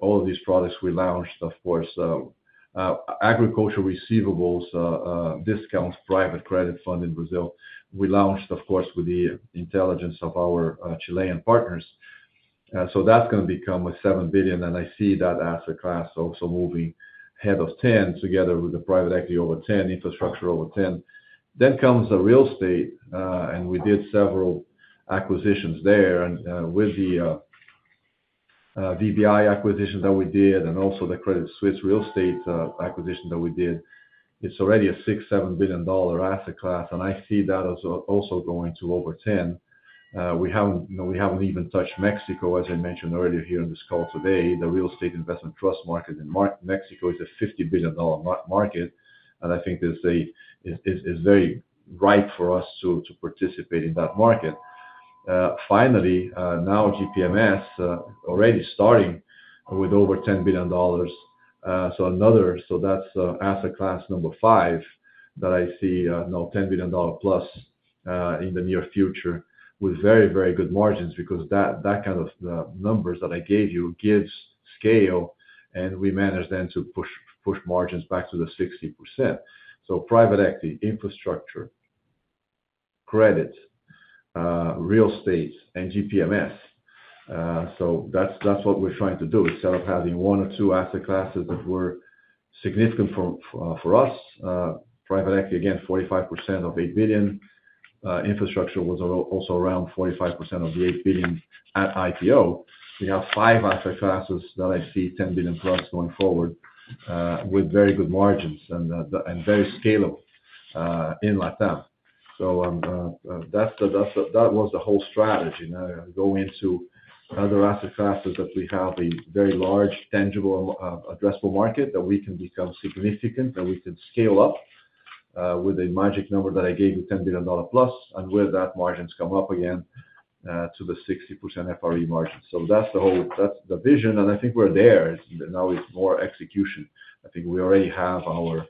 All of these products we launched, of course, agricultural receivables, discounts, private credit fund in Brazil. We launched, of course, with the intelligence of our Chilean partners. So that's gonna become a $7 billion, and I see that asset class also moving ahead of 10, together with the private equity over $10 billion, infrastructure over $10 billion. Then comes the real estate, and we did several acquisitions there. And with the VBI acquisition that we did and also the Credit Suisse real estate acquisition that we did, it's already a $6 billion-$7 billion asset class, and I see that as also going to over $10 billion. We haven't, you know, we haven't even touched Mexico, as I mentioned earlier here on this call today. The real estate investment trust market in Mexico is a $50 billion market, and I think it's very ripe for us to participate in that market. Finally, now GPMS already starting with over $10 billion. So that's asset class number five, that I see, you know, $10 billion plus in the near future with very, very good margins, because that kind of numbers that I gave you gives scale, and we manage then to push margins back to the 60%. So private equity, infrastructure, credit, real estate, and GPMS. So that's what we're trying to do. Instead of having one or two asset classes that were significant for us, private equity, again, 45% of $8 billion, infrastructure was also around 45% of the $8 billion at IPO. We have five asset classes that I see $10 billion plus going forward with very good margins and very scalable in LatAm. So, that's the whole strategy. Now, going into other asset classes that we have a very large, tangible, addressable market, that we can become significant, that we can scale up, with a magic number that I gave you, $10 billion plus, and with that, margins come up again, to the 60% FRE margin. So that's the whole vision, and I think we're there. Now it's more execution. I think we already have our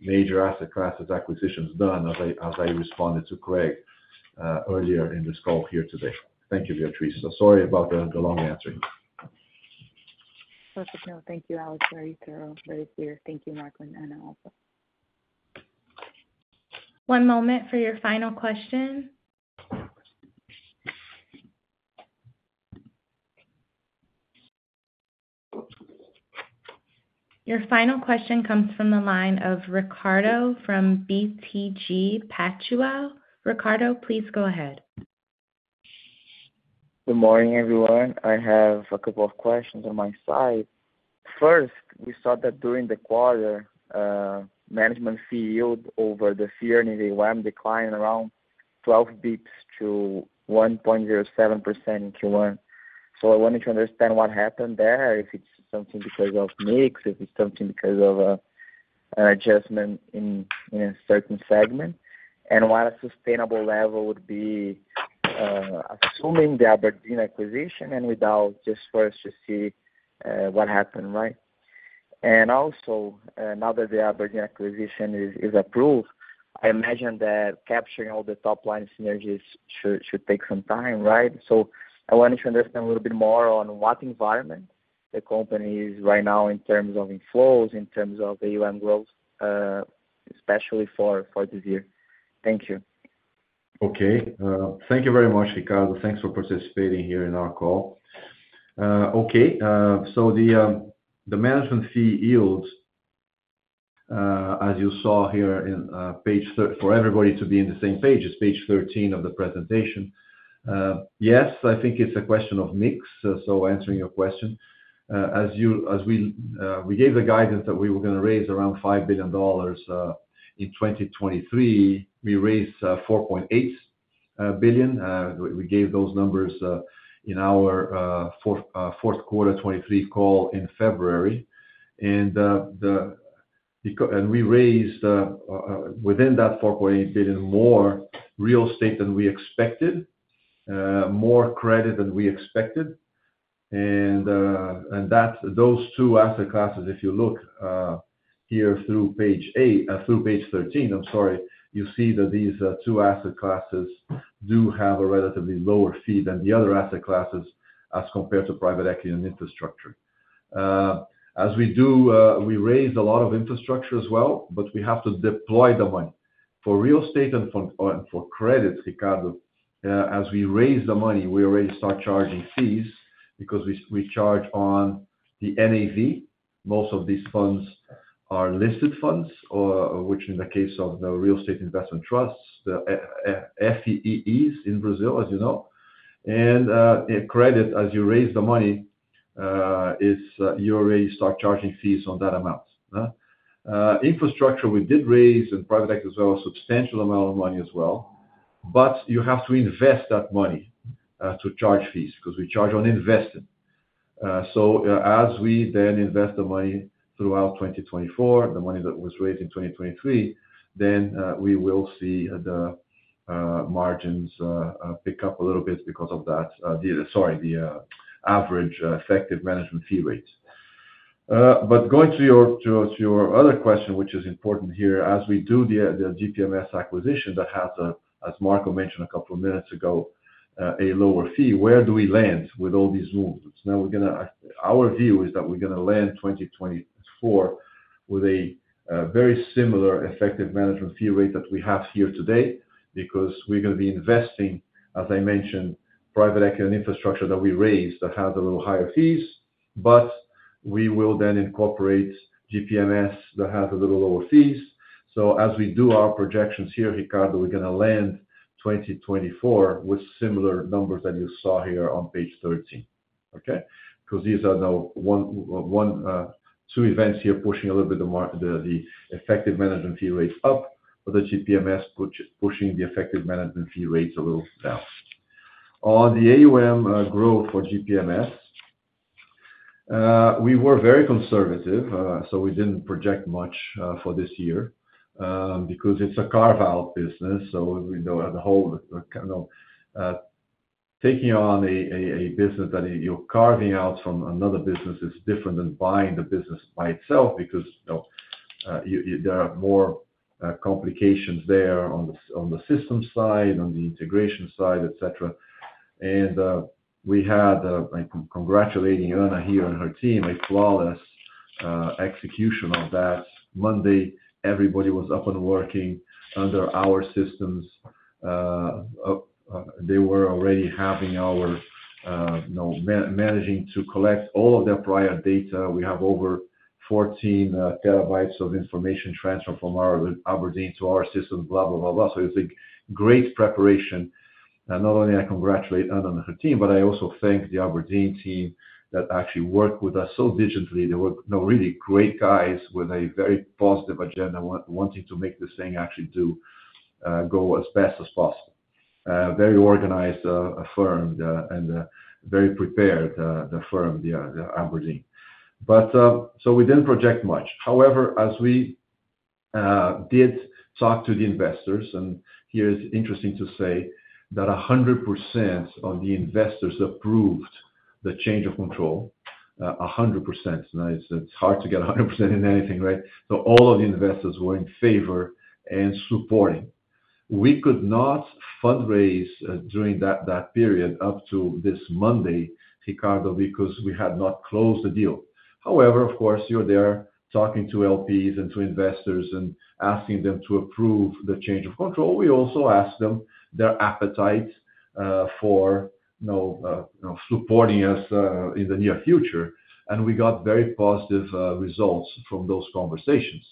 major asset classes acquisitions done, as I responded to Craig, earlier in this call here today. Thank you, Beatriz. So sorry about the long answer. Perfect. No, thank you, Alex. Very thorough, very clear. Thank you, Marco and Ana, also. One moment for your final question. Your final question comes from the line of Ricardo from BTG Pactual. Ricardo, please go ahead. Good morning, everyone. I have a couple of questions on my side. First, we saw that during the quarter, management fee yield over the year-end AUM declined around 12 basis points to 1.07% in Q1. So I wanted to understand what happened there, if it's something because of mix, if it's something because of an adjustment in a certain segment. And what a sustainable level would be, assuming the abrdn acquisition and without, just for us to see what happened, right? And also, now that the abrdn acquisition is approved, I imagine that capturing all the top line synergies should take some time, right? So I wanted to understand a little bit more on what environment the company is right now in terms of inflows, in terms of AUM growth, especially for this year. Thank you. Okay. Thank you very much, Ricardo. Thanks for participating here in our call. Okay, so the management fee yields, as you saw here in page 13 for everybody to be on the same page, it's page 13 of the presentation. Yes, I think it's a question of mix. So answering your question, as we gave the guidance that we were going to raise around $5 billion in 2023. We raised $4.8 billion. We gave those numbers in our fourth quarter 2023 call in February. We raised within that $4.8 billion, more real estate than we expected, more credit than we expected. And that's those two asset classes, if you look here through page 8 through page 13, I'm sorry, you see that these two asset classes do have a relatively lower fee than the other asset classes, as compared to private equity and infrastructure. As we do, we raised a lot of infrastructure as well, but we have to deploy the money. For real estate and for credit, Ricardo, as we raise the money, we already start charging fees because we charge on the NAV. Most of these funds are listed funds, or which in the case of the real estate investment trusts, the FIIs in Brazil, as you know. In credit, as you raise the money, you already start charging fees on that amount. Infrastructure, we did raise, and private equity as well, a substantial amount of money as well, but you have to invest that money to charge fees, because we charge on investing. So, as we then invest the money throughout 2024, the money that was raised in 2023, then we will see the margins pick up a little bit because of that, the average effective management fee rates. But going to your other question, which is important here, as we do the GPMS acquisition that has a, as Marco mentioned a couple of minutes ago, a lower fee, where do we land with all these moves? Now, we're gonna, our view is that we're gonna land 2024 with a very similar effective management fee rate that we have here today, because we're gonna be investing, as I mentioned, private equity and infrastructure that we raised, that have a little higher fees, but we will then incorporate GPMS that have a little lower fees. So as we do our projections here, Ricardo, we're gonna land 2024 with similar numbers that you saw here on page 13. Okay? Because these are now one, one, two events here, pushing a little bit the effective management fee rates up, but the GPMS pushing the effective management fee rates a little down. On the AUM growth for GPMS, we were very conservative, so we didn't project much for this year, because it's a carve-out business, so we know as a whole, kind of, taking on a business that you're carving out from another business is different than buying the business by itself because, you know, there are more complications there on the systems side, on the integration side, et cetera. We had, I'm congratulating Ana here and her team, a flawless execution of that. Monday, everybody was up and working under our systems. They were already having our, you know, managing to collect all of their prior data. We have over 14 TB of information transferred from our abrdn to our system. So it's a great preparation. And not only I congratulate Ana and her team, but I also thank the abrdn team that actually worked with us so diligently. They were, you know, really great guys with a very positive agenda, wanting to make this thing actually do, go as best as possible. Very organized firm, and very prepared, the firm, the abrdn. But so we didn't project much. However, as we did talk to the investors, and here it's interesting to say that 100% of the investors approved the change of control, 100%. Now, it's hard to get 100% in anything, right? So all of the investors were in favor and supporting. We could not fundraise during that period up to this Monday, Ricardo, because we had not closed the deal. However, of course, you're there talking to LPs and to investors and asking them to approve the change of control. We also asked them their appetite for, you know, you know, supporting us in the near future, and we got very positive results from those conversations.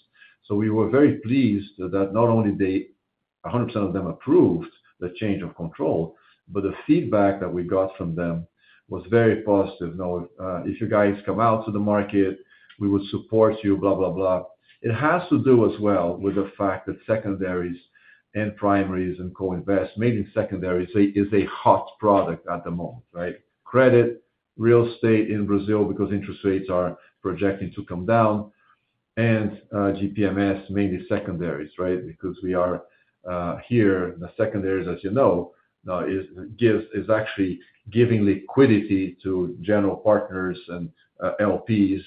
So we were very pleased that not only they a hundred percent of them approved the change of control, but the feedback that we got from them was very positive. You know, "If you guys come out to the market, we would support you," blah, blah, blah. It has to do as well with the fact that secondaries and primaries and co-invest, mainly secondaries, is a hot product at the moment, right? Credit, real estate in Brazil, because interest rates are projecting to come down, and, GPMS, mainly secondaries, right? Because we are here, the secondaries, as you know, is actually giving liquidity to general partners and LPs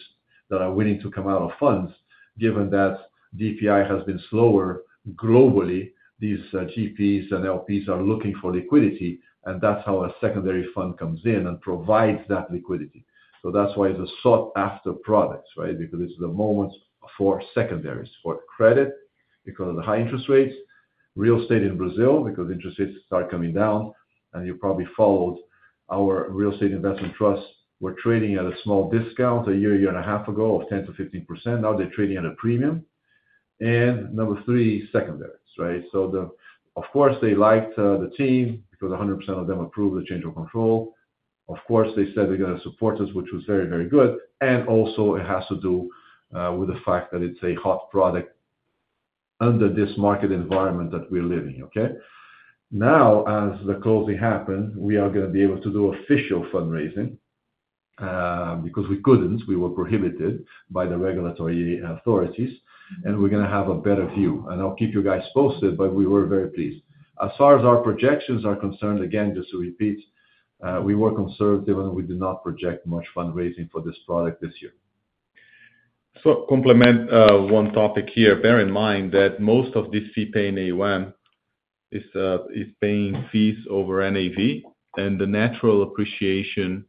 that are willing to come out of funds. Given that DPI has been slower globally, these GPs and LPs are looking for liquidity, and that's how a secondary fund comes in and provides that liquidity. So that's why it's a sought-after product, right? Because it's the moment for secondaries, for credit, because of the high interest rates, real estate in Brazil, because interest rates start coming down, and you probably followed our real estate investment trusts were trading at a small discount a year, a year and a half ago of 10%-15%. Now they're trading at a premium. And number three, secondaries, right? So the... Of course, they liked the team, because 100% of them approved the change of control. Of course, they said they're gonna support us, which was very, very good. And also, it has to do with the fact that it's a hot product under this market environment that we're living, okay? Now, as the closing happened, we are gonna be able to do official fundraising, because we couldn't, we were prohibited by the regulatory authorities, and we're gonna have a better view. And I'll keep you guys posted, but we were very pleased. As far as our projections are concerned, again, just to repeat, we were conservative, and we did not project much fundraising for this product this year. So complement one topic here. Bear in mind that most of this fee paying AUM is paying fees over NAV, and the natural appreciation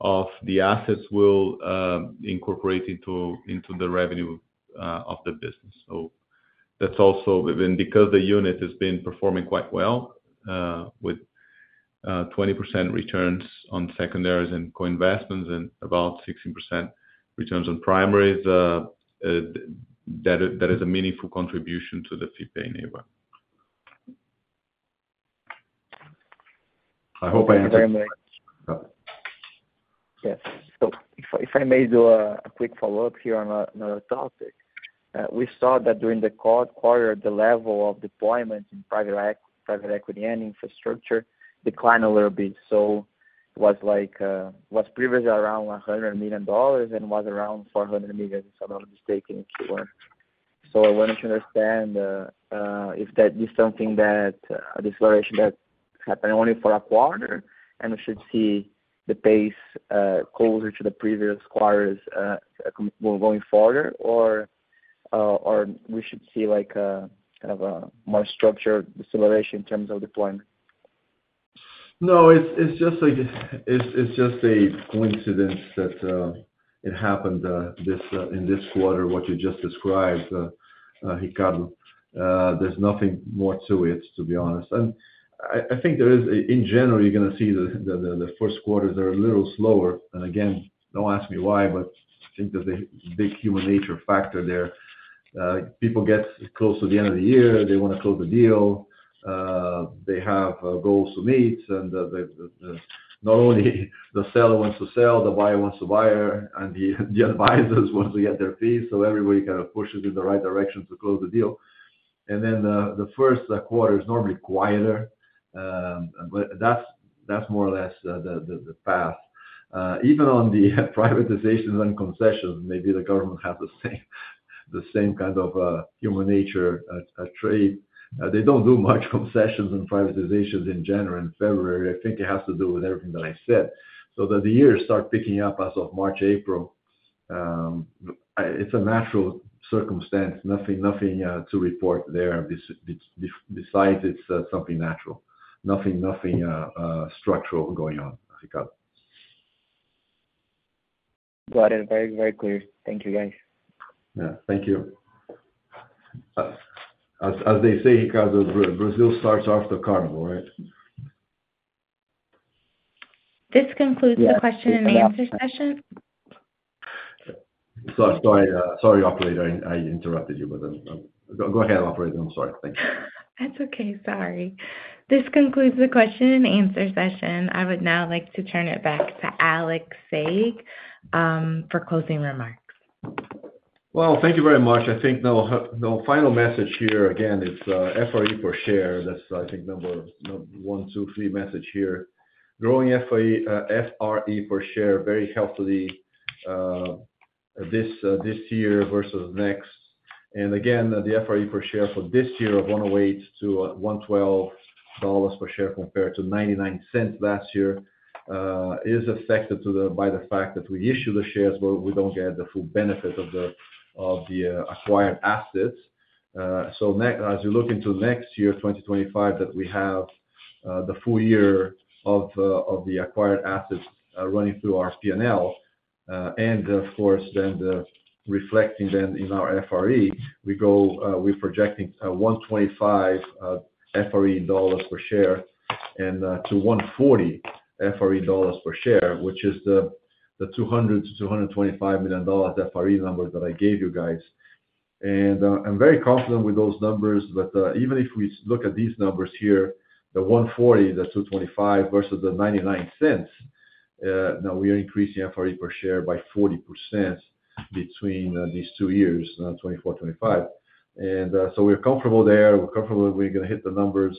of the assets will incorporate into the revenue of the business. So that's also within, because the unit has been performing quite well, with 20% returns on secondaries and co-investments and about 16% returns on primaries, that is a meaningful contribution to the fee paying AUM. I hope I answered. Thank you very much. Yes. So if I may do a quick follow-up here on another topic. We saw that during the quarter, the level of deployment in private equity and infrastructure declined a little bit. So it was like, was previously around $100 million and was around $400 million, if I'm not mistaken, Q1. So I wanted to understand, if that is something that, deceleration that happened only for a quarter, and we should see the pace, closer to the previous quarters, going forward, or, or we should see like, kind of a more structured deceleration in terms of deployment? No, it's just a coincidence that it happened in this quarter, what you just described, Ricardo. There's nothing more to it, to be honest. And I think there is... In general, you're gonna see the first quarters are a little slower, and again, don't ask me why, but I think there's a big human nature factor there. People get close to the end of the year, they wanna close the deal, they have goals to meet, and not only the seller wants to sell, the buyer wants to buy, and the advisors wants to get their fees, so everybody kind of pushes in the right direction to close the deal. And then the first quarter is normally quieter, but that's more or less the path. Even on the privatizations and concessions, maybe the government have the same kind of human nature trait. They don't do much concessions and privatizations in January and February. I think it has to do with everything that I said. So the years start picking up as of March, April. It's a natural circumstance, nothing to report there. This besides, it's something natural. Nothing structural going on, Ricardo. Got it. Very, very clear. Thank you, guys. Yeah. Thank you. As they say, Ricardo, Brazil starts after Carnival, right? This concludes the question-and-answer session. Sorry, sorry, sorry, operator. I interrupted you, but go ahead, operator. I'm sorry. Thank you. That's okay. Sorry. This concludes the question-and-answer session. I would now like to turn it back to Alex Saigh for closing remarks. Well, thank you very much. I think now, the final message here, again, is FRE per share. That's, I think, number one, two, three message here. Growing FAE, FRE per share very healthily, this year versus next. And again, the FRE per share for this year of $1.00-$1.12 per share compared to $0.99 last year, is affected by the fact that we issue the shares, but we don't get the full benefit of the acquired assets. So, as you look into next year, 2025, that we have the full year of the acquired assets running through our P&L. And, of course, then the reflecting then in our FRE, we go, we're projecting, $1.25 FRE per share and, to $1.40 FRE per share, which is the $200 million-$225 million FRE number that I gave you guys. And, I'm very confident with those numbers. But, even if we look at these numbers here, the $1.40, the $225 versus the $0.99, now we are increasing our FRE per share by 40% between these two years, 2024, 2025. And, so we're comfortable there. We're comfortable that we're going to hit the numbers.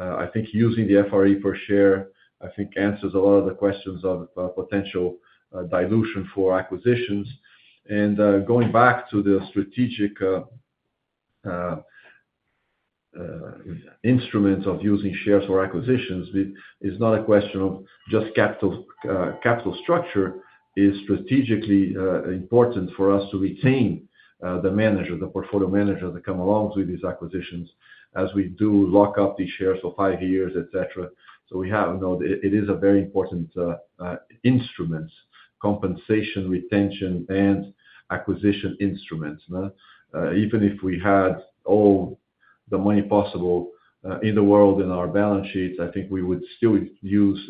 I think using the FRE per share, I think answers a lot of the questions on potential dilution for acquisitions. Going back to the strategic instruments of using shares for acquisitions, it is not a question of just capital. Capital structure is strategically important for us to retain the manager, the portfolio manager, that come along with these acquisitions as we do lock up the shares for five years, et cetera. So we have, you know, it is a very important instruments, compensation, retention, and acquisition instruments, no? Even if we had all the money possible in the world in our balance sheets, I think we would still use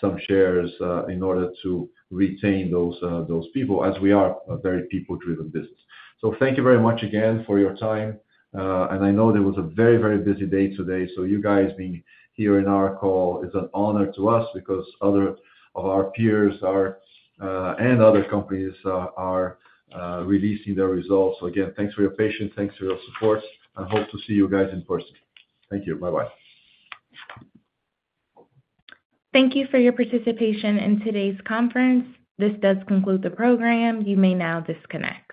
some shares in order to retain those people, as we are a very people-driven business. So thank you very much again for your time. And I know it was a very, very busy day today, so you guys being here in our call is an honor to us, because other of our peers are, and other companies are releasing their results. So again, thanks for your patience, thanks for your support. I hope to see you guys in person. Thank you. Bye-bye. Thank you for your participation in today's conference. This does conclude the program. You may now disconnect.